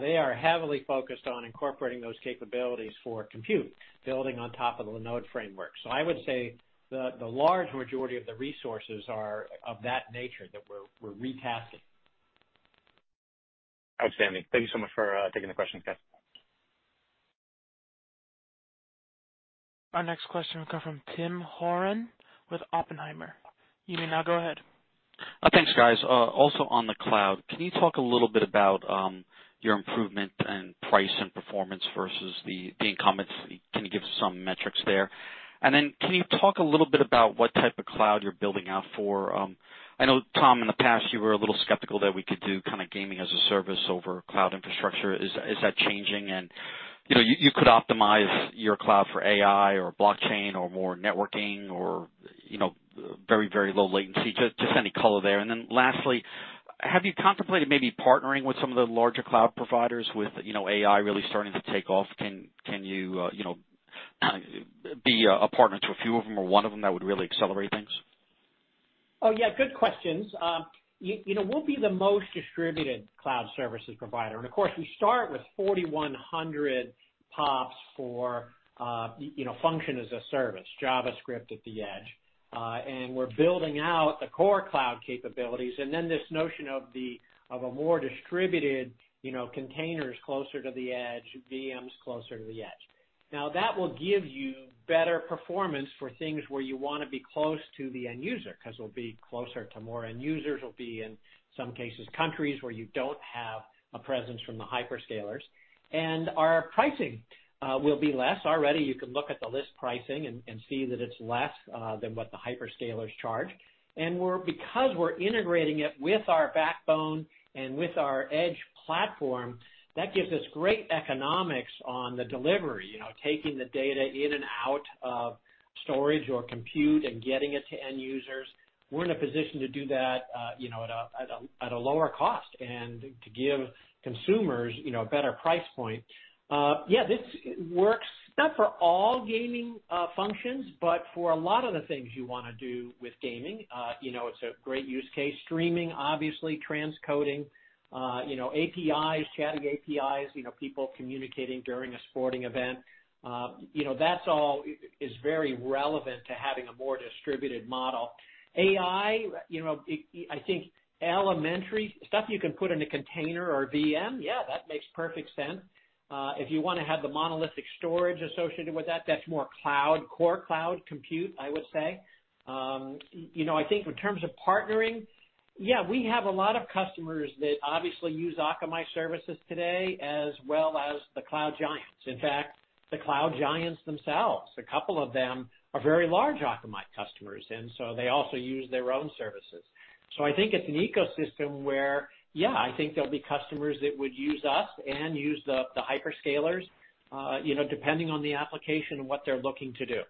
They are heavily focused on incorporating those capabilities for compute, building on top of the Linode framework. I would say the large majority of the resources are of that nature, that we're retasking. Outstanding. Thank you so much for taking the questions, guys. Our next question will come from Tim Horan with Oppenheimer. You may now go ahead. Thanks, guys. Also on the cloud, can you talk a little bit about your improvement and price and performance versus the incumbents? Can you give some metrics there? Then can you talk a little bit about what type of cloud you're building out for? I know, Tom, in the past you were a little skeptical that we could do kinda gaming as a service over cloud infrastructure. Is that changing? You know, you could optimize your cloud for AI or blockchain or more networking or, you know, very, very low latency. Just any color there. Then lastly, have you contemplated maybe partnering with some of the larger cloud providers with, you know, AI really starting to take off? Can you know, be a partner to a few of them or one of them that would really accelerate things? Oh, yeah. Good questions. You know, we'll be the most distributed cloud services provider. Of course, we start with 4,100 PoPs for, you know, function as a service, JavaScript at the edge. We're building out the core cloud capabilities and then this notion of a more distributed, you know, containers closer to the edge, VMs closer to the edge. Now, that will give you better performance for things where you wanna be close to the end user, 'cause we'll be closer to more end users, we'll be, in some cases, countries where you don't have a presence from the hyperscalers. Our pricing will be less. Already you can look at the list pricing and see that it's less than what the hyperscalers charge. Because we're integrating it with our backbone and with our edge platform, that gives us great economics on the delivery. You know, taking the data in and out of storage or compute and getting it to end users, we're in a position to do that, you know, at a lower cost and to give consumers, you know, a better price point. This works, not for all gaming, functions, but for a lot of the things you wanna do with gaming, you know, it's a great use case. Streaming, obviously transcoding, you know, APIs, chatting APIs, you know, people communicating during a sporting event. You know, that's all, is very relevant to having a more distributed model. AI, you know, I think elementary stuff you can put in a container or VM, that makes perfect sense. if you wanna have the monolithic storage associated with that's more cloud, core cloud compute, I would say. you know, I think in terms of partnering, yeah, we have a lot of customers that obviously use Akamai services today, as well as the cloud giants. In fact, the cloud giants themselves, a couple of them are very large Akamai customers, and so they also use their own services. I think it's an ecosystem where, yeah, I think there'll be customers that would use us and use the hyperscalers, you know, depending on the application and what they're looking to do.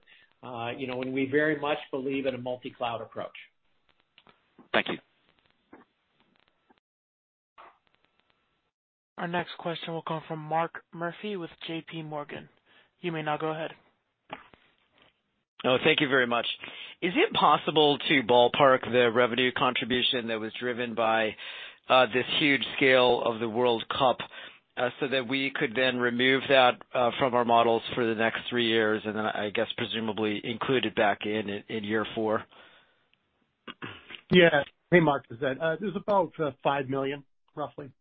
you know, and we very much believe in a multi-cloud approach. Thank you. Our next question will come from Mark Murphy with JPMorgan. You may now go ahead. Thank you very much. Is it possible to ballpark the revenue contribution that was driven by this huge scale of the World Cup so that we could then remove that from our models for the next three years and then I guess presumably include it back in year four? Yeah. Hey, Mark, this is Ed. It was about, $5 million, roughly.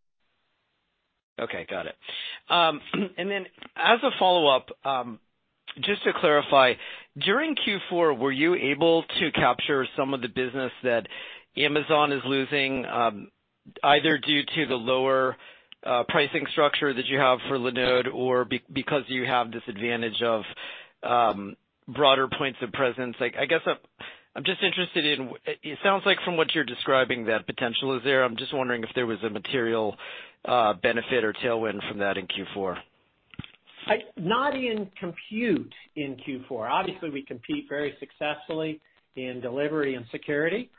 Okay, got it. As a follow-up, just to clarify, during Q4, were you able to capture some of the business that Amazon is losing, either due to the lower pricing structure that you have for Linode or because you have this advantage of broader points of presence? Like, I guess I'm just interested in. It sounds like from what you're describing, that potential is there. I'm just wondering if there was a material benefit or tailwind from that in Q4. Not in compute in Q4. Obviously, we compete very successfully in delivery and security,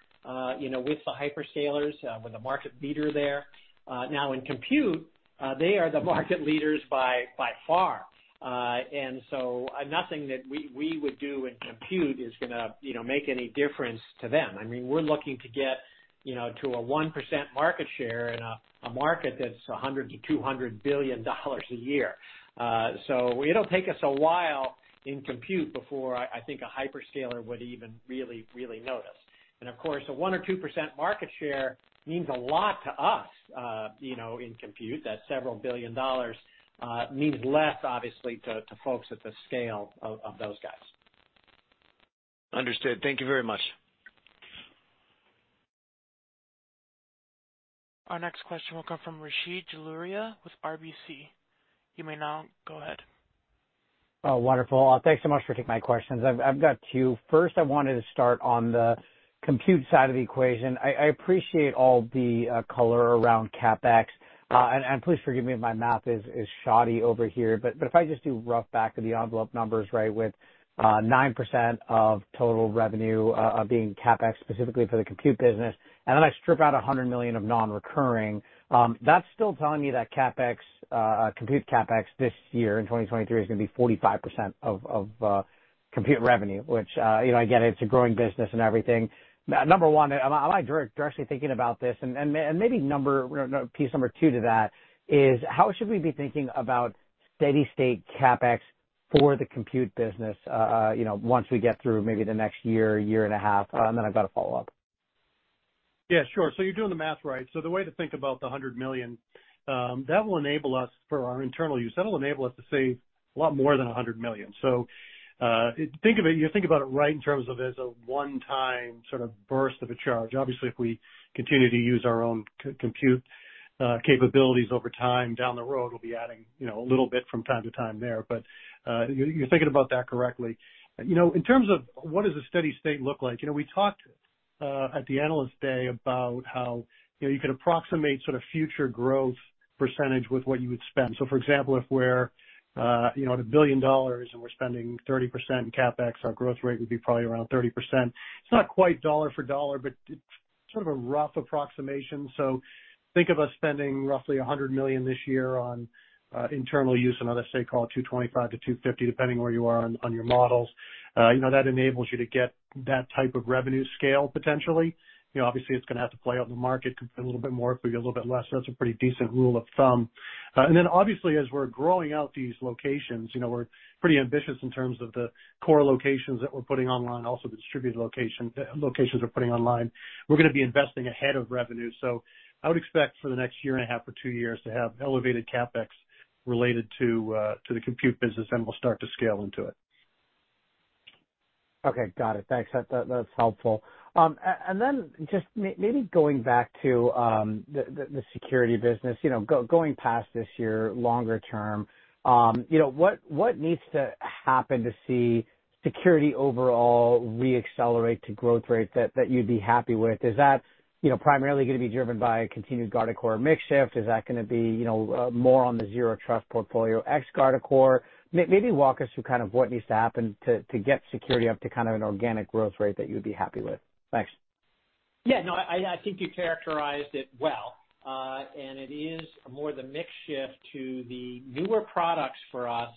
you know, with the hyperscalers, we're the market leader there. Now in compute, they are the market leaders by far. Nothing that we would do in compute is gonna, you know, make any difference to them. I mean, we're looking to get, you know, to a 1% market share in a market that's $100 billion-$200 billion a year. It'll take us a while in compute before I think a hyperscaler would even really notice. Of course, a 1% or 2% market share means a lot to us, you know, in compute. That several billion dollars means less obviously to folks at the scale of those guys. Understood. Thank you very much. Our next question will come from Rishi Jaluria with RBC Capital Markets. You may now go ahead. Wonderful. Thanks so much for taking my questions. I've got two. First, I wanted to start on the compute side of the equation. I appreciate all the color around CapEx. Please forgive me if my math is shoddy over here, but if I just do rough back of the envelope numbers, right, with 9% of total revenue being CapEx specifically for the compute business, and then I strip out $100 million of non-recurring, that's still telling me that CapEx compute CapEx this year in 2023 is gonna be 45% of compute revenue, which, you know, I get it's a growing business and everything. Number one, am I directly thinking about this? Maybe piece number two to that is, how should we be thinking about steady-state CapEx for the compute business, you know, once we get through maybe the next year and a half? Then I've got a follow-up. Yeah, sure. You're doing the math right. The way to think about the $100 million that will enable us for our internal use, that'll enable us to save a lot more than $100 million. You think about it right in terms of as a one-time sort of burst of a charge. Obviously, if we continue to use our own compute capabilities over time down the road, we'll be adding, you know, a little bit from time to time there. You're thinking about that correctly. You know, in terms of what does a steady state look like, you know, we talked at the Analyst Day about how, you know, you could approximate sort of future growth % with what you would spend. For example, if we're, you know, at $1 billion and we're spending 30% in CapEx, our growth rate would be probably around 30%. It's not quite dollar for dollar, but it's sort of a rough approximation. Think of us spending roughly $100 million this year on internal use, another state call $225 million-$250 million, depending where you are on your models. You know, that enables you to get that type of revenue scale potentially. You know, obviously it's gonna have to play out in the market, could be a little bit more, could be a little bit less. That's a pretty decent rule of thumb. Obviously as we're growing out these locations, you know, we're pretty ambitious in terms of the core locations that we're putting online, also the distributed locations we're putting online. We're gonna be investing ahead of revenue. I would expect for the next year and a half or two years to have elevated CapEx related to the compute business, and we'll start to scale into it. Okay. Got it. Thanks. That, that's helpful. Then just maybe going back to the security business. You know, going past this year, longer term, you know, what needs to happen to see security overall re-accelerate to growth rates that you'd be happy with? Is that, you know, primarily gonna be driven by a continued Guardicore mix shift? Is that gonna be, you know, more on the Zero Trust portfolio ex Guardicore? Maybe walk us through kind of what needs to happen to get security up to kind of an organic growth rate that you'd be happy with. Thanks. I think you characterized it well. It is more the mix shift to the newer products for us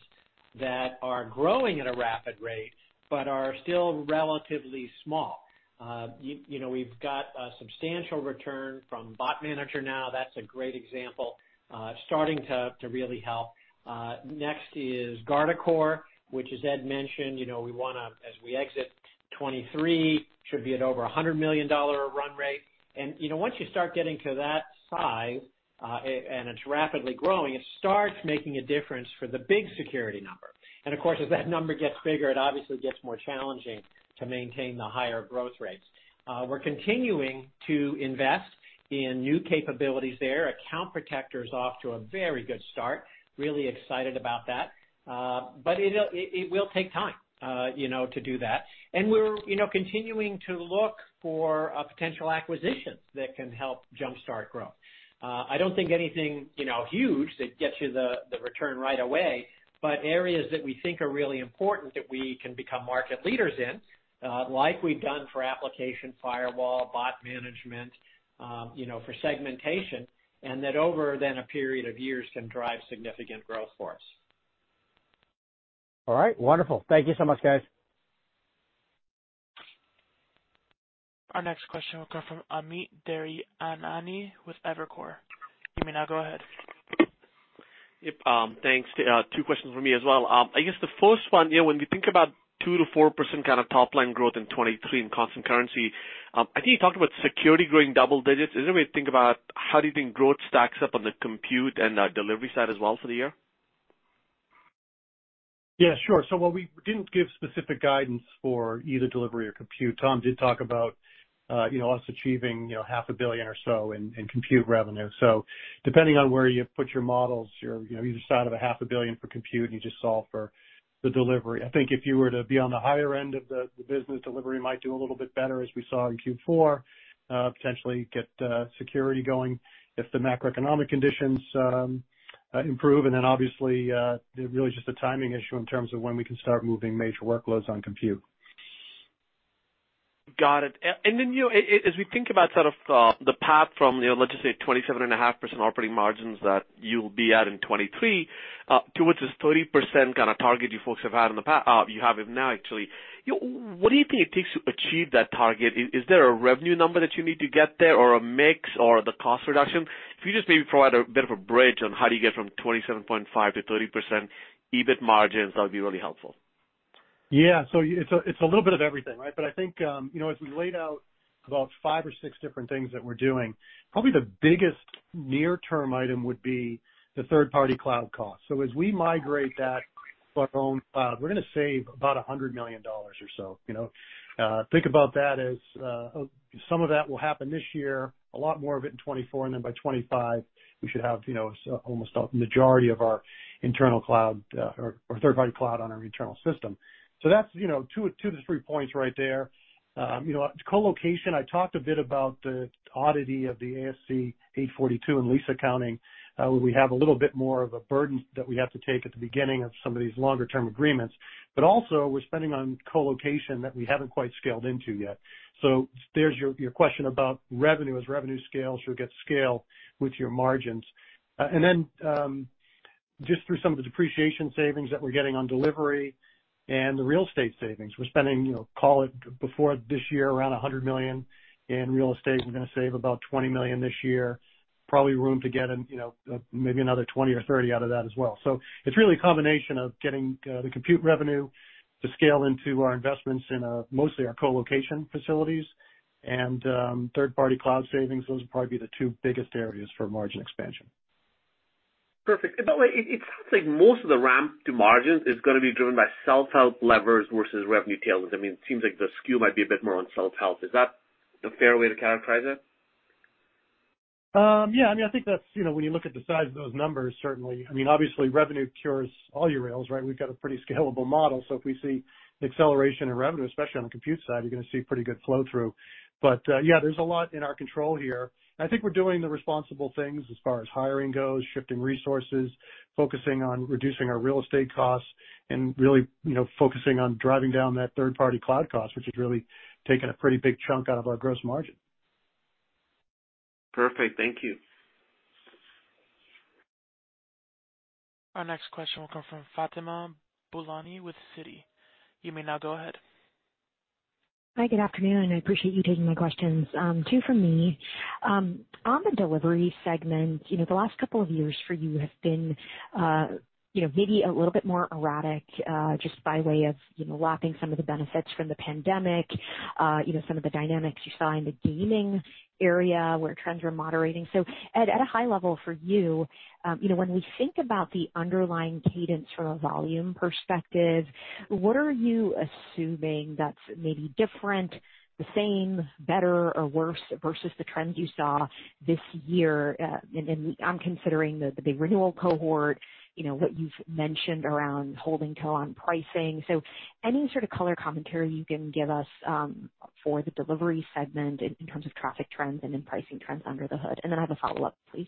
that are growing at a rapid rate but are still relatively small. You know, we've got a substantial return from Bot Manager now. That's a great example, starting to really help. Next is Guardicore, which as Ed mentioned, you know, we wanna, as we exit 2023, should be at over a $100 million run rate. You know, once you start getting to that size, and it's rapidly growing, it starts making a difference for the big security number. As that number gets bigger, it obviously gets more challenging to maintain the higher growth rates. We're continuing to invest in new capabilities there. Account Protector's off to a very good start. Really excited about that. It will take time, you know, to do that. We're, you know, continuing to look for a potential acquisition that can help jumpstart growth. I don't think anything, you know, huge that gets you the return right away, but areas that we think are really important that we can become market leaders in, like we've done for application firewall, bot management, you know, for segmentation, and that over then a period of years can drive significant growth for us. All right, wonderful. Thank you so much, guys. Our next question will come from Amit Daryanani with Evercore ISI. You may now go ahead. Thanks. Two questions from me as well. I guess the first one, you know, when you think about 2%-4% kind of top line growth in 2023 in constant currency, I think you talked about security growing double digits. Is there a way to think about how do you think growth stacks up on the compute and delivery side as well for the year? Yeah, sure. While we didn't give specific guidance for either delivery or compute, Tom did talk about, you know, us achieving, you know, half a billion or so in compute revenue. Depending on where you put your models, your, you know, you just out of a half a billion for compute, and you just solve for the delivery. I think if you were to be on the higher end of the business, delivery might do a little bit better, as we saw in Q4, potentially get security going if the macroeconomic conditions improve. Obviously, really just a timing issue in terms of when we can start moving major workloads on compute. Got it. You know, as we think about sort of the path from, you know, let's just say 27.5% operating margins that you'll be at in 2023, towards this 30% kind of target you folks have had, you have now actually, you know, what do you think it takes to achieve that target? Is there a revenue number that you need to get there or a mix or the cost reduction? If you just maybe provide a bit of a bridge on how do you get from 27.5% to 30% EBIT margins, that would be really helpful. It's a little bit of everything, right? I think, you know, as we laid out about five or six different things that we're doing, probably the biggest near-term item would be the third-party cloud cost. As we migrate that to our own cloud, we're gonna save about $100 million or so. You know, think about that as, some of that will happen this year, a lot more of it in 2024, and then by 2025, we should have, you know, almost a majority of our internal cloud, or third-party cloud on our internal system. That's, you know, two to three points right there. You know, co-location, I talked a bit about the oddity of the ASC 842 and lease accounting, where we have a little bit more of a burden that we have to take at the beginning of some of these longer term agreements. Also we're spending on co-location that we haven't quite scaled into yet. There's your question about revenue. As revenue scales, you'll get scale with your margins. And then, just through some of the depreciation savings that we're getting on delivery and the real estate savings, we're spending, you know, call it before this year, around $100 million in real estate. We're gonna save about $20 million this year. Probably room to get in, you know, maybe another $20 million or $30 million out of that as well. It's really a combination of getting the compute revenue to scale into our investments in mostly our co-location facilities and third-party cloud savings. Those would probably be the two biggest areas for margin expansion. Perfect. By the way, it sounds like most of the ramp to margins is gonna be driven by self-help levers versus revenue tailwinds. I mean, it seems like the skew might be a bit more on self-help. Is that a fair way to characterize it? Yeah. I mean, I think that's, you know, when you look at the size of those numbers, certainly. I mean, obviously revenue cures all your rails, right? We've got a pretty scalable model, so if we see acceleration in revenue, especially on the compute side, you're gonna see pretty good flow through. Yeah, there's a lot in our control here. I think we're doing the responsible things as far as hiring goes, shifting resources, focusing on reducing our real estate costs, and really, you know, focusing on driving down that third-party cloud cost, which has really taken a pretty big chunk out of our gross margin. Perfect. Thank you. Our next question will come from Fatima Boolani with Citi. You may now go ahead. Hi, good afternoon. I appreciate you taking my questions. Two from me. On the delivery segment, you know, the last couple of years for you have been, you know, maybe a little bit more erratic, just by way of, you know, lapping some of the benefits from the pandemic, you know, some of the dynamics you saw in the gaming area where trends are moderating. At a high level for you know, when we think about the underlying cadence from a volume perspective, what are you assuming that's maybe different, the same, better or worse versus the trends you saw this year? I'm considering the big renewal cohort, you know, what you've mentioned around holding toe on pricing. Any sort of color commentary you can give us, for the delivery segment in terms of traffic trends and in pricing trends under the hood? I have a follow-up, please.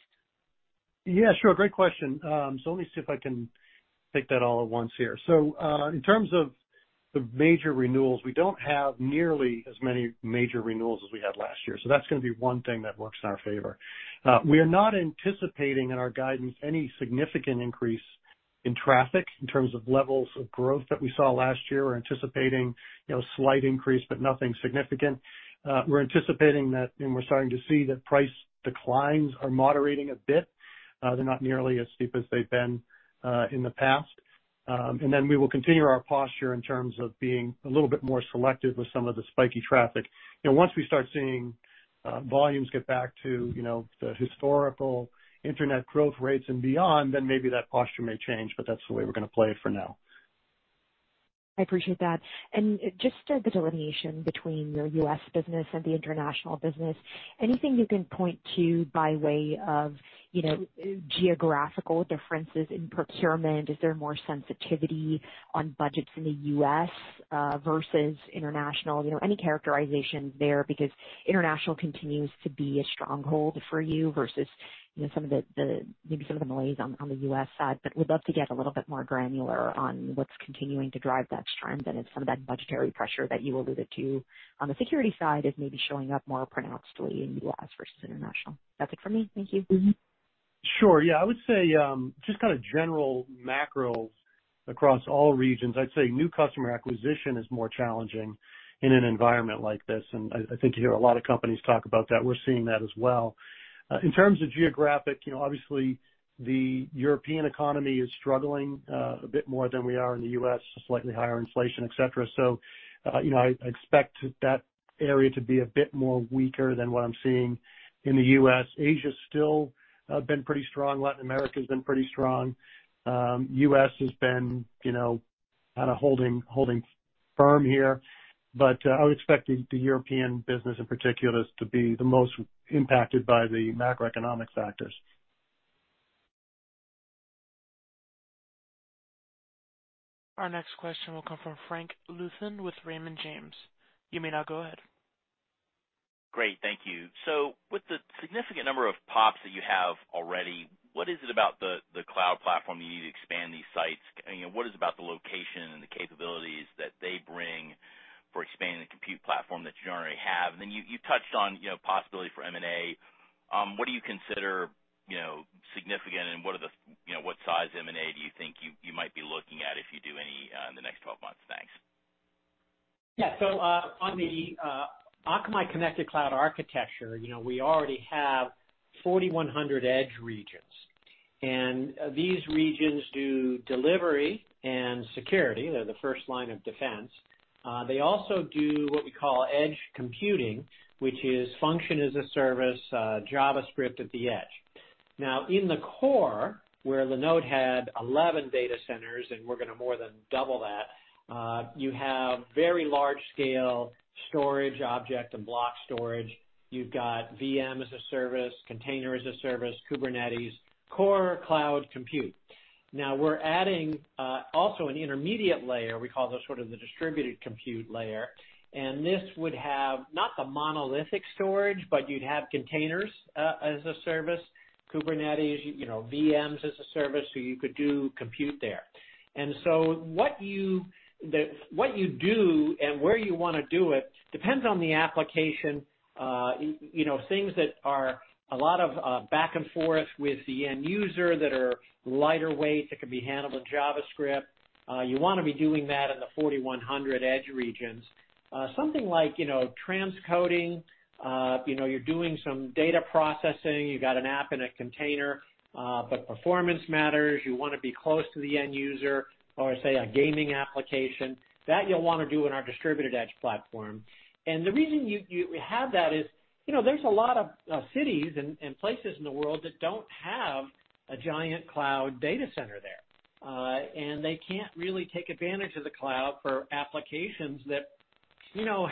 Yeah, sure. Great question. Let me see if I can take that all at once here. In terms of the major renewals, we don't have nearly as many major renewals as we had last year, so that's gonna be one thing that works in our favor. We are not anticipating in our guidance any significant increase in traffic in terms of levels of growth that we saw last year. We're anticipating, you know, slight increase, but nothing significant. We're anticipating that, and we're starting to see that price declines are moderating a bit. They're not nearly as steep as they've been in the past. We will continue our posture in terms of being a little bit more selective with some of the spiky traffic. You know, once we start seeing volumes get back to, you know, the historical internet growth rates and beyond, then maybe that posture may change, but that's the way we're gonna play it for now. I appreciate that. Just the delineation between your U.S. business and the international business, anything you can point to by way of, you know, geographical differences in procurement? Is there more sensitivity on budgets in the U.S. versus international? You know, any characterization there? International continues to be a stronghold for you versus, you know, some of the maybe some of the malaise on the U.S. side. We'd love to get a little bit more granular on what's continuing to drive that trend, and if some of that budgetary pressure that you alluded to on the security side is maybe showing up more pronouncedly in U.S. versus international. That's it for me. Thank you. Sure. Yeah, I would say, just kind of general macro across all regions. I'd say new customer acquisition is more challenging in an environment like this. I think you hear a lot of companies talk about that. We're seeing that as well. In terms of geographic, you know, obviously the European economy is struggling a bit more than we are in the U.S., slightly higher inflation, et cetera. You know, I expect that area to be a bit more weaker than what I'm seeing in the U.S. Asia's still been pretty strong. Latin America's been pretty strong. U.S. has been, you know, kinda holding firm here. I would expect the European business in particular to be the most impacted by the macroeconomic factors. Our next question will come from Frank Louthan with Raymond James. You may now go ahead. Great. Thank you. With the significant number of PoPs that you have already, what is it about the cloud platform you need to expand these sites? You know, what is it about the location and the capabilities that they bring for expanding the compute platform that you don't already have? You touched on, you know, possibility for M&A. What do you consider, you know, significant and what are the, you know, what size M&A do you think you might be looking at if you do any in the next 12 months? Thanks. On the Akamai Connected Cloud Architecture, you know, we already have 4,100 edge regions. These regions do delivery and security. They're the first line of defense. They also do what we call edge computing, which is function as a service, JavaScript at the edge. In the core, where Linode had 11 data centers, and we're gonna more than double that, you have very large scale storage object and block storage. You've got VM as a service, container as a service, Kubernetes, core cloud compute. We're adding also an intermediate layer. We call this sort of the distributed compute layer, this would have, not the monolithic storage, but you'd have containers as a service, Kubernetes, you know, VMs as a service, so you could do compute there. What you do and where you wanna do it depends on the application. You know, things that are a lot of back and forth with the end user that are lighter weight, that can be handled with JavaScript, you wanna be doing that in the 4,100 edge regions. Something like, you know, transcoding, you know, you're doing some data processing, you've got an app in a container, but performance matters. You wanna be close to the end user or, say, a gaming application. That you'll wanna do in our distributed edge platform. The reason you have that is, you know, there's a lot of cities and places in the world that don't have a giant cloud data center there. They can't really take advantage of the cloud for applications that, you know,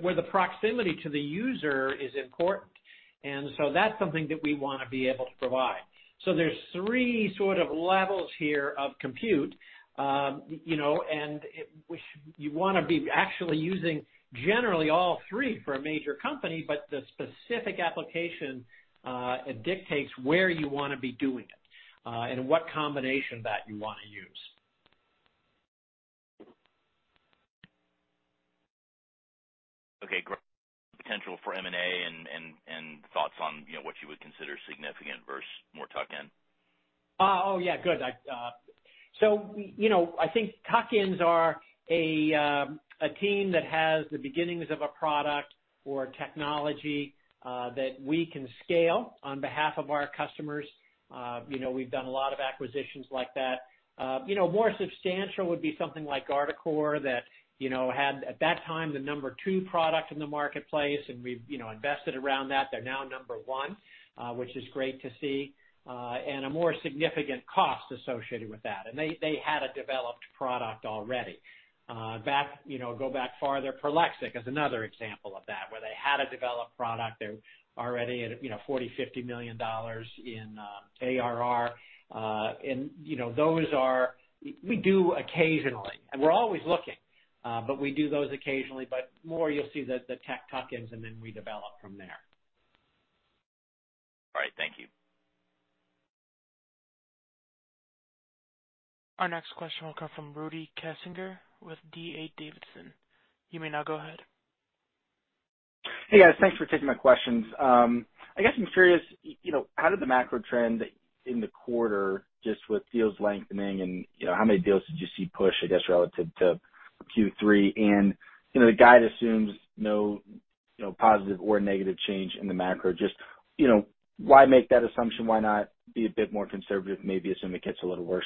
where the proximity to the user is important. That's something that we wanna be able to provide. There's three sort of levels here of compute. You know, you wanna be actually using generally all three for a major company, but the specific application, it dictates where you wanna be doing it, and what combination that you wanna use. Okay, great. Potential for M&A and thoughts on, you know, what you would consider significant versus more tuck-in? Oh, yeah. You know, I think tuck-ins are a team that has the beginnings of a product or technology that we can scale on behalf of our customers. You know, we've done a lot of acquisitions like that. You know, more substantial would be something like Guardicore that, you know, had at that time the number two product in the marketplace, and we've, you know, invested around that. They're now number one, which is great to see, and a more significant cost associated with that. They, they had a developed product already. Back, you know, go back farther, Prolexic is another example of that, where they had a developed product. They're already at, you know, $40 million-$50 million in ARR. You know, we do occasionally, and we're always looking, but we do those occasionally. More you'll see the tech tuck-ins and then we develop from there. All right. Thank you. Our next question will come from Rudy Kessinger with D.A. Davidson. You may now go ahead. Hey, guys. Thanks for taking my questions. I guess I'm curious, you know, how did the macro trend in the quarter just with deals lengthening and, you know, how many deals did you see push, I guess, relative to Q3? You know, the guide assumes no, you know, positive or negative change in the macro. Why make that assumption? Why not be a bit more conservative and maybe assume it gets a little worse?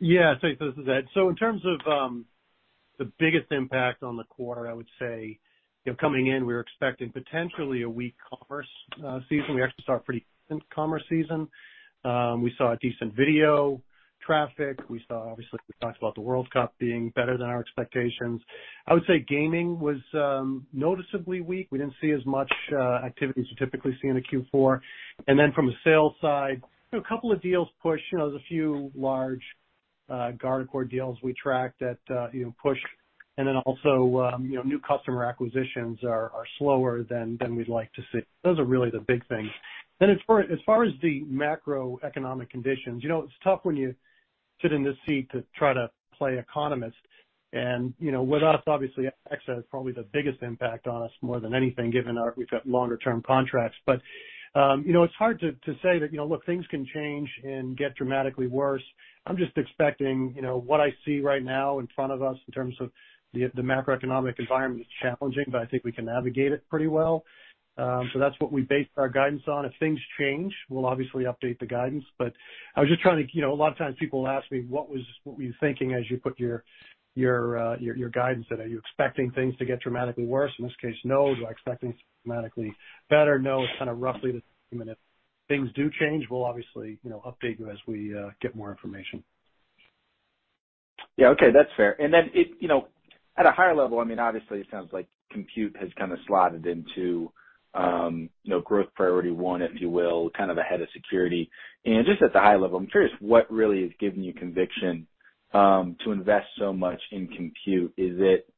This is Ed. In terms of the biggest impact on the quarter, I would say, you know, coming in, we were expecting potentially a weak commerce season. We actually saw a pretty decent commerce season. We saw a decent video traffic. We saw, obviously, we talked about the World Cup being better than our expectations. I would say gaming was noticeably weak. We didn't see as much activity as you typically see in a Q4. From a sales side, you know, a couple of deals pushed. You know, there's a few large Guardicore deals we tracked that, you know, pushed. Also, you know, new customer acquisitions are slower than we'd like to see. Those are really the big things. As far as the macroeconomic conditions, you know, it's tough when yousit in this seat to try to play economist. You know, with us, obviously, FX is probably the biggest impact on us more than anything, given we've got longer-term contracts. You know, it's hard to say that, you know, look, things can change and get dramatically worse. I'm just expecting, you know, what I see right now in front of us in terms of the macroeconomic environment is challenging, but I think we can navigate it pretty well. That's what we based our guidance on. If things change, we'll obviously update the guidance. I was just trying to.. You know, a lot of times people ask me: What were you thinking as you put your guidance in? Are you expecting things to get dramatically worse? In this case, no. Do I expect things to be dramatically better? No. It's kinda roughly the. If things do change, we'll obviously, you know, update you as we get more information. Yeah. Okay, that's fair. You know, at a higher level, I mean, obviously it sounds like compute has kinda slotted into, you know, growth priority one, if you will, kind of ahead of security. Just at the high level, I'm curious what really has given you conviction, to invest so much in compute. Is it,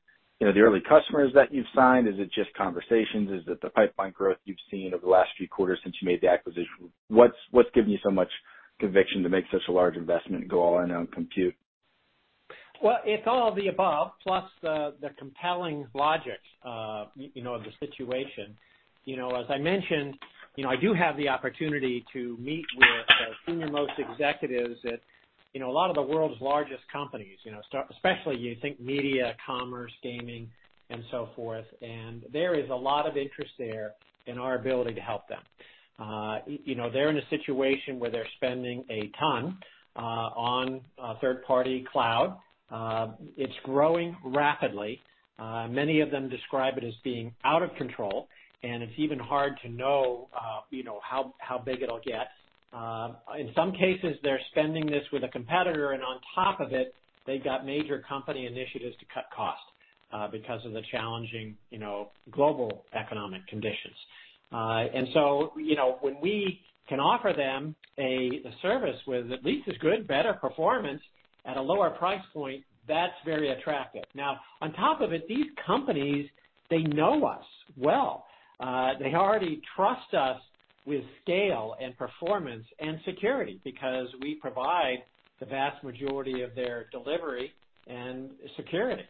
you know, the early customers that you've signed? Is it just conversations? Is it the pipeline growth you've seen over the last few quarters since you made the acquisition? What's given you so much conviction to make such a large investment and go all in on compute? Well, it's all of the above, plus the compelling logic, you know, the situation. You know, as I mentioned, you know, I do have the opportunity to meet with the senior-most executives at, you know, a lot of the world's largest companies, especially you think media, commerce, gaming, and so forth. There is a lot of interest there in our ability to help them. You know, they're in a situation where they're spending a ton on third-party cloud. It's growing rapidly. Many of them describe it as being out of control, and it's even hard to know, you know, how big it'll get. In some cases, they're spending this with a competitor, and on top of it, they've got major company initiatives to cut costs because of the challenging, you know, global economic conditions. When we can offer them a service with at least as good, better performance at a lower price point, that's very attractive. On top of it, these companies, they know us well. They already trust us with scale and performance and security because we provide the vast majority of their delivery and security.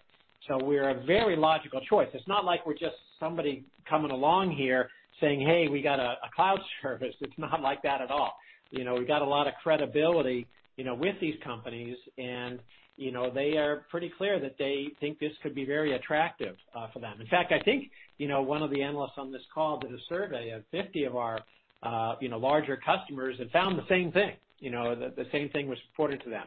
We're a very logical choice. It's not like we're just somebody coming along here saying, "Hey, we got a cloud service." It's not like that at all. You know, we got a lot of credibility, you know, with these companies, and, you know, they are pretty clear that they think this could be very attractive for them. In fact, I think, you know, one of the analysts on this call did a survey of 50 of our, you know, larger customers and found the same thing, you know. The same thing was reported to them.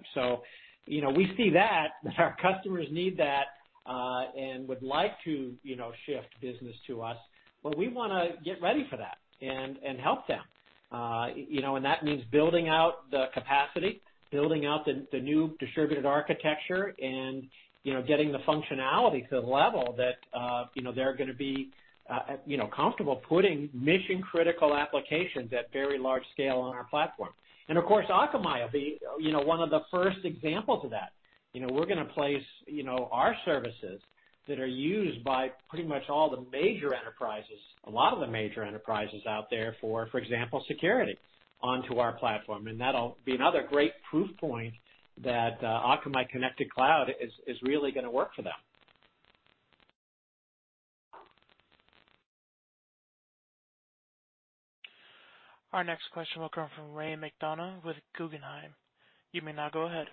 You know, we see that our customers need that and would like to, you know, shift business to us, but we wanna get ready for that and help them. You know, and that means building out the capacity, building out the new distributed architecture and, you know, getting the functionality to the level that, you know, they're gonna be, you know, comfortable putting mission-critical applications at very large scale on our platform. Of course, Akamai will be, you know, one of the first examples of that. You know, we're gonna place, you know, our services that are used by pretty much all the major enterprises, a lot of the major enterprises out there, for example, security, onto our platform. That'll be another great proof point that Akamai Connected Cloud is really gonna work for them. Our next question will come from Ray McDonough with Guggenheim. You may now go ahead.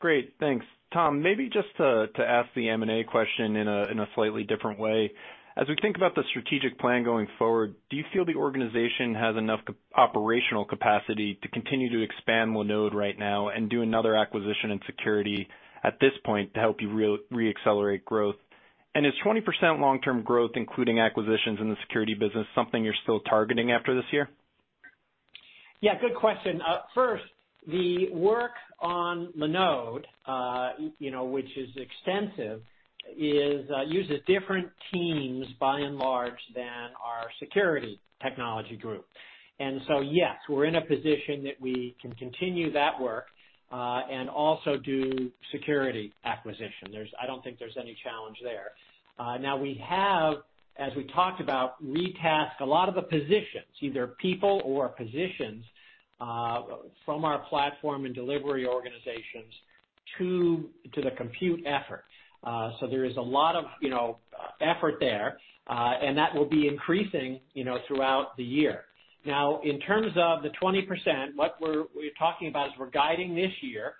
Great. Thanks. Tom, maybe just to ask the M&A question in a slightly different way. As we think about the strategic plan going forward, do you feel the organization has enough operational capacity to continue to expand Linode right now and do another acquisition in security at this point to help you reaccelerate growth? Is 20% long-term growth, including acquisitions in the security business, something you're still targeting after this year? Yeah, good question. First, the work on Linode, you know, which is extensive, uses different teams by and large than our security technology group. Yes, we're in a position that we can continue that work and also do security acquisition. I don't think there's any challenge there. Now we have, as we talked about, retasked a lot of the positions, either people or positions, from our platform and delivery organizations to the compute effort. So there is a lot of, you know, effort there, and that will be increasing, you know, throughout the year. Now, in terms of the 20%, what we're talking about is we're guiding this year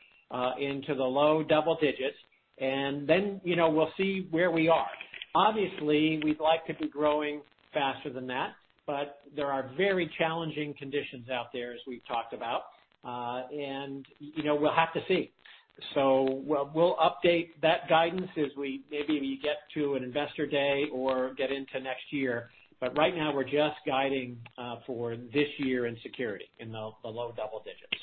into the low double digits, and then, you know, we'll see where we are. Obviously, we'd like to be growing faster than that, but there are very challenging conditions out there, as we've talked about. You know, we'll have to see. We'll update that guidance as we maybe get to an investor day or get into next year. Right now, we're just guiding for this year in security in the low double digits.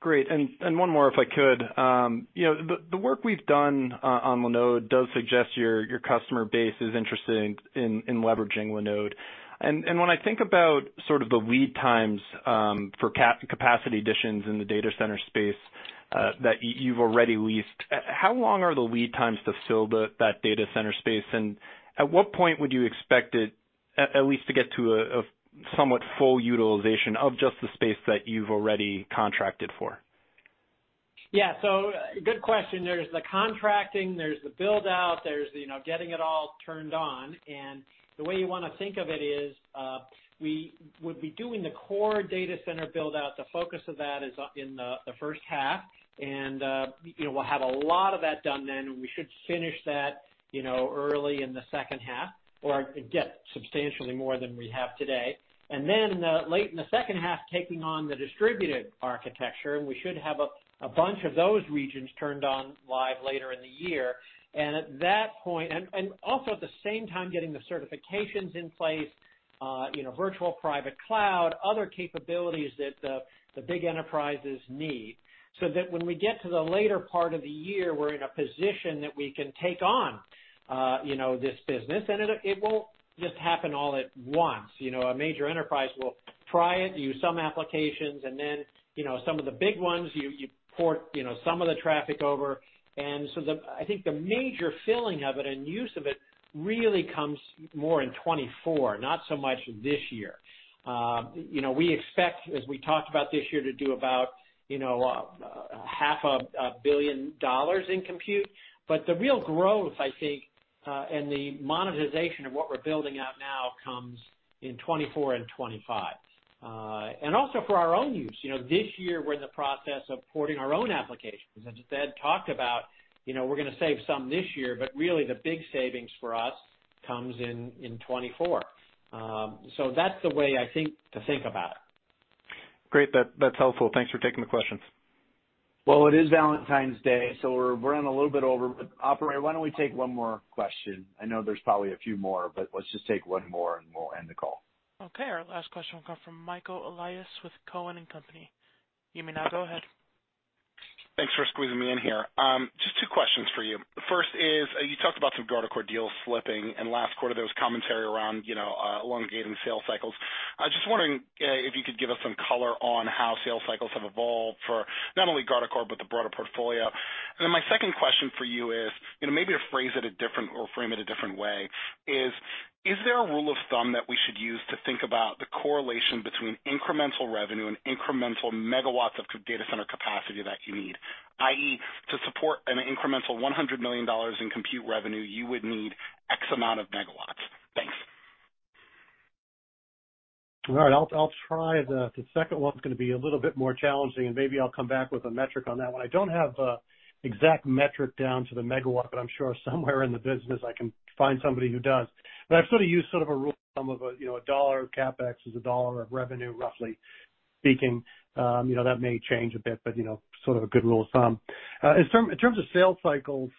Great. One more, if I could. You know, the work we've done on Linode does suggest your customer base is interested in leveraging Linode. When I think about sort of the lead times for capacity additions in the data center space that you've already leased. How long are the lead times to fill that data center space? At what point would you expect it at least to get to a somewhat full utilization of just the space that you've already contracted for? Yeah. Good question. There's the contracting, there's the build-out, there's, you know, getting it all turned on. The way you wanna think of it is, we would be doing the core data center build-out. The focus of that is in the first half. You know, we'll have a lot of that done then, and we should finish that, you know, early in the second half or get substantially more than we have today. Late in the second half, taking on the distributed architecture, and we should have a bunch of those regions turned on live later in the year. Also at the same time getting the certifications in place, you know, virtual private cloud, other capabilities that the big enterprises need so that when we get to the later part of the year, we're in a position that we can take on, you know, this business. It won't just happen all at once. You know, a major enterprise will try it, use some applications, and then, you know, some of the big ones you port, you know, some of the traffic over. I think the major filling of it and use of it really comes more in 2024, not so much this year. You know, we expect, as we talked about this year, to do about, you know, half a billion dollars in compute. The real growth, I think, and the monetization of what we're building out now comes in 2024 and 2025. Also for our own use. You know, this year we're in the process of porting our own applications. As Ed talked about, you know, we're gonna save some this year, but really the big savings for us comes in 2024. That's the way I think to think about it. Great. That's helpful. Thanks for taking the questions. It is Valentine's Day, we're running a little bit over. Operator, why don't we take one more question? I know there's probably a few more, let's just take one more, we'll end the call. Okay, our last question will come from Michael Elias with Cowen and Company. You may now go ahead. Thanks for squeezing me in here. Just two questions for you. First is, you talked about some Guardicore deals slipping. Last quarter there was commentary around, you know, elongating sales cycles. I was just wondering if you could give us some color on how sales cycles have evolved for not only Guardicore but the broader portfolio. My second question for you is, you know, maybe to phrase it a different or frame it a different way, is: Is there a rule of thumb that we should use to think about the correlation between incremental revenue and incremental megawatts of data center capacity that you need? i.e., to support an incremental $100 million in compute revenue, you would need X amount of megawatts. Thanks. All right. I'll try. The second one's gonna be a little bit more challenging, and maybe I'll come back with a metric on that one. I don't have a exact metric down to the megawatt, but I'm sure somewhere in the business I can find somebody who does. I've sort of used a rule of thumb of a, you know, a dollar of CapEx is a dollar of revenue, roughly speaking. You know, that may change a bit, but, you know, sort of a good rule of thumb. In terms of sales cycles,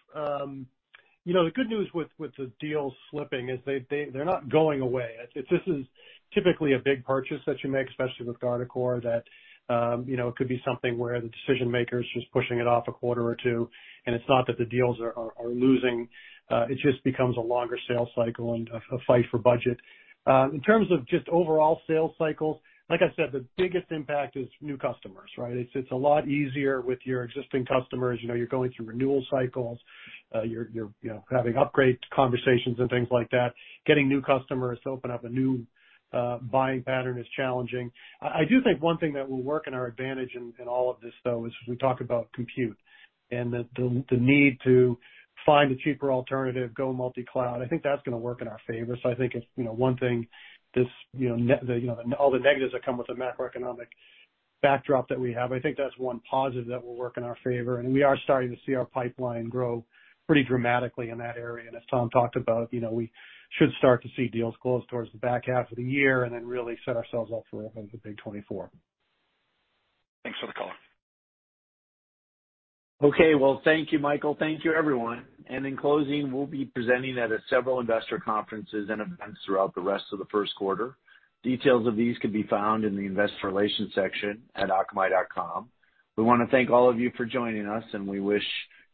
you know, the good news with the deals slipping is they're not going away. This is typically a big purchase that you make, especially with Guardicore, that, you know, it could be something where the decision maker is just pushing it off a quarter or two, and it's not that the deals are losing, it just becomes a longer sales cycle and a fight for budget. In terms of just overall sales cycles, like I said, the biggest impact is new customers, right? It's a lot easier with your existing customers. You know, you're going through renewal cycles. You're, you know, having upgrade conversations and things like that. Getting new customers to open up a new, buying pattern is challenging. I do think one thing that will work in our advantage in all of this though is as we talk about compute and the need to find a cheaper alternative, go multi-cloud. I think that's gonna work in our favor. I think it's, you know, one thing this, you know, the, you know, all the negatives that come with the macroeconomic backdrop that we have, I think that's one positive that will work in our favor. We are starting to see our pipeline grow pretty dramatically in that area. As Tom talked about, you know, we should start to see deals close towards the back half of the year and then really set ourselves up for the big 2024. Thanks for the color. Okay. Well, thank you, Michael. Thank you, everyone. In closing, we'll be presenting at several investor conferences and events throughout the rest of the first quarter. Details of these can be found in the investor relations section at akamai.com. We wanna thank all of you for joining us, and we wish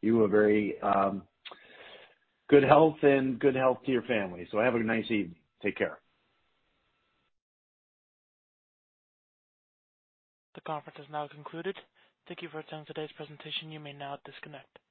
you a very good health and good health to your family. Have a nice evening. Take care. The conference has now concluded. Thank you for attending today's presentation. You may now disconnect.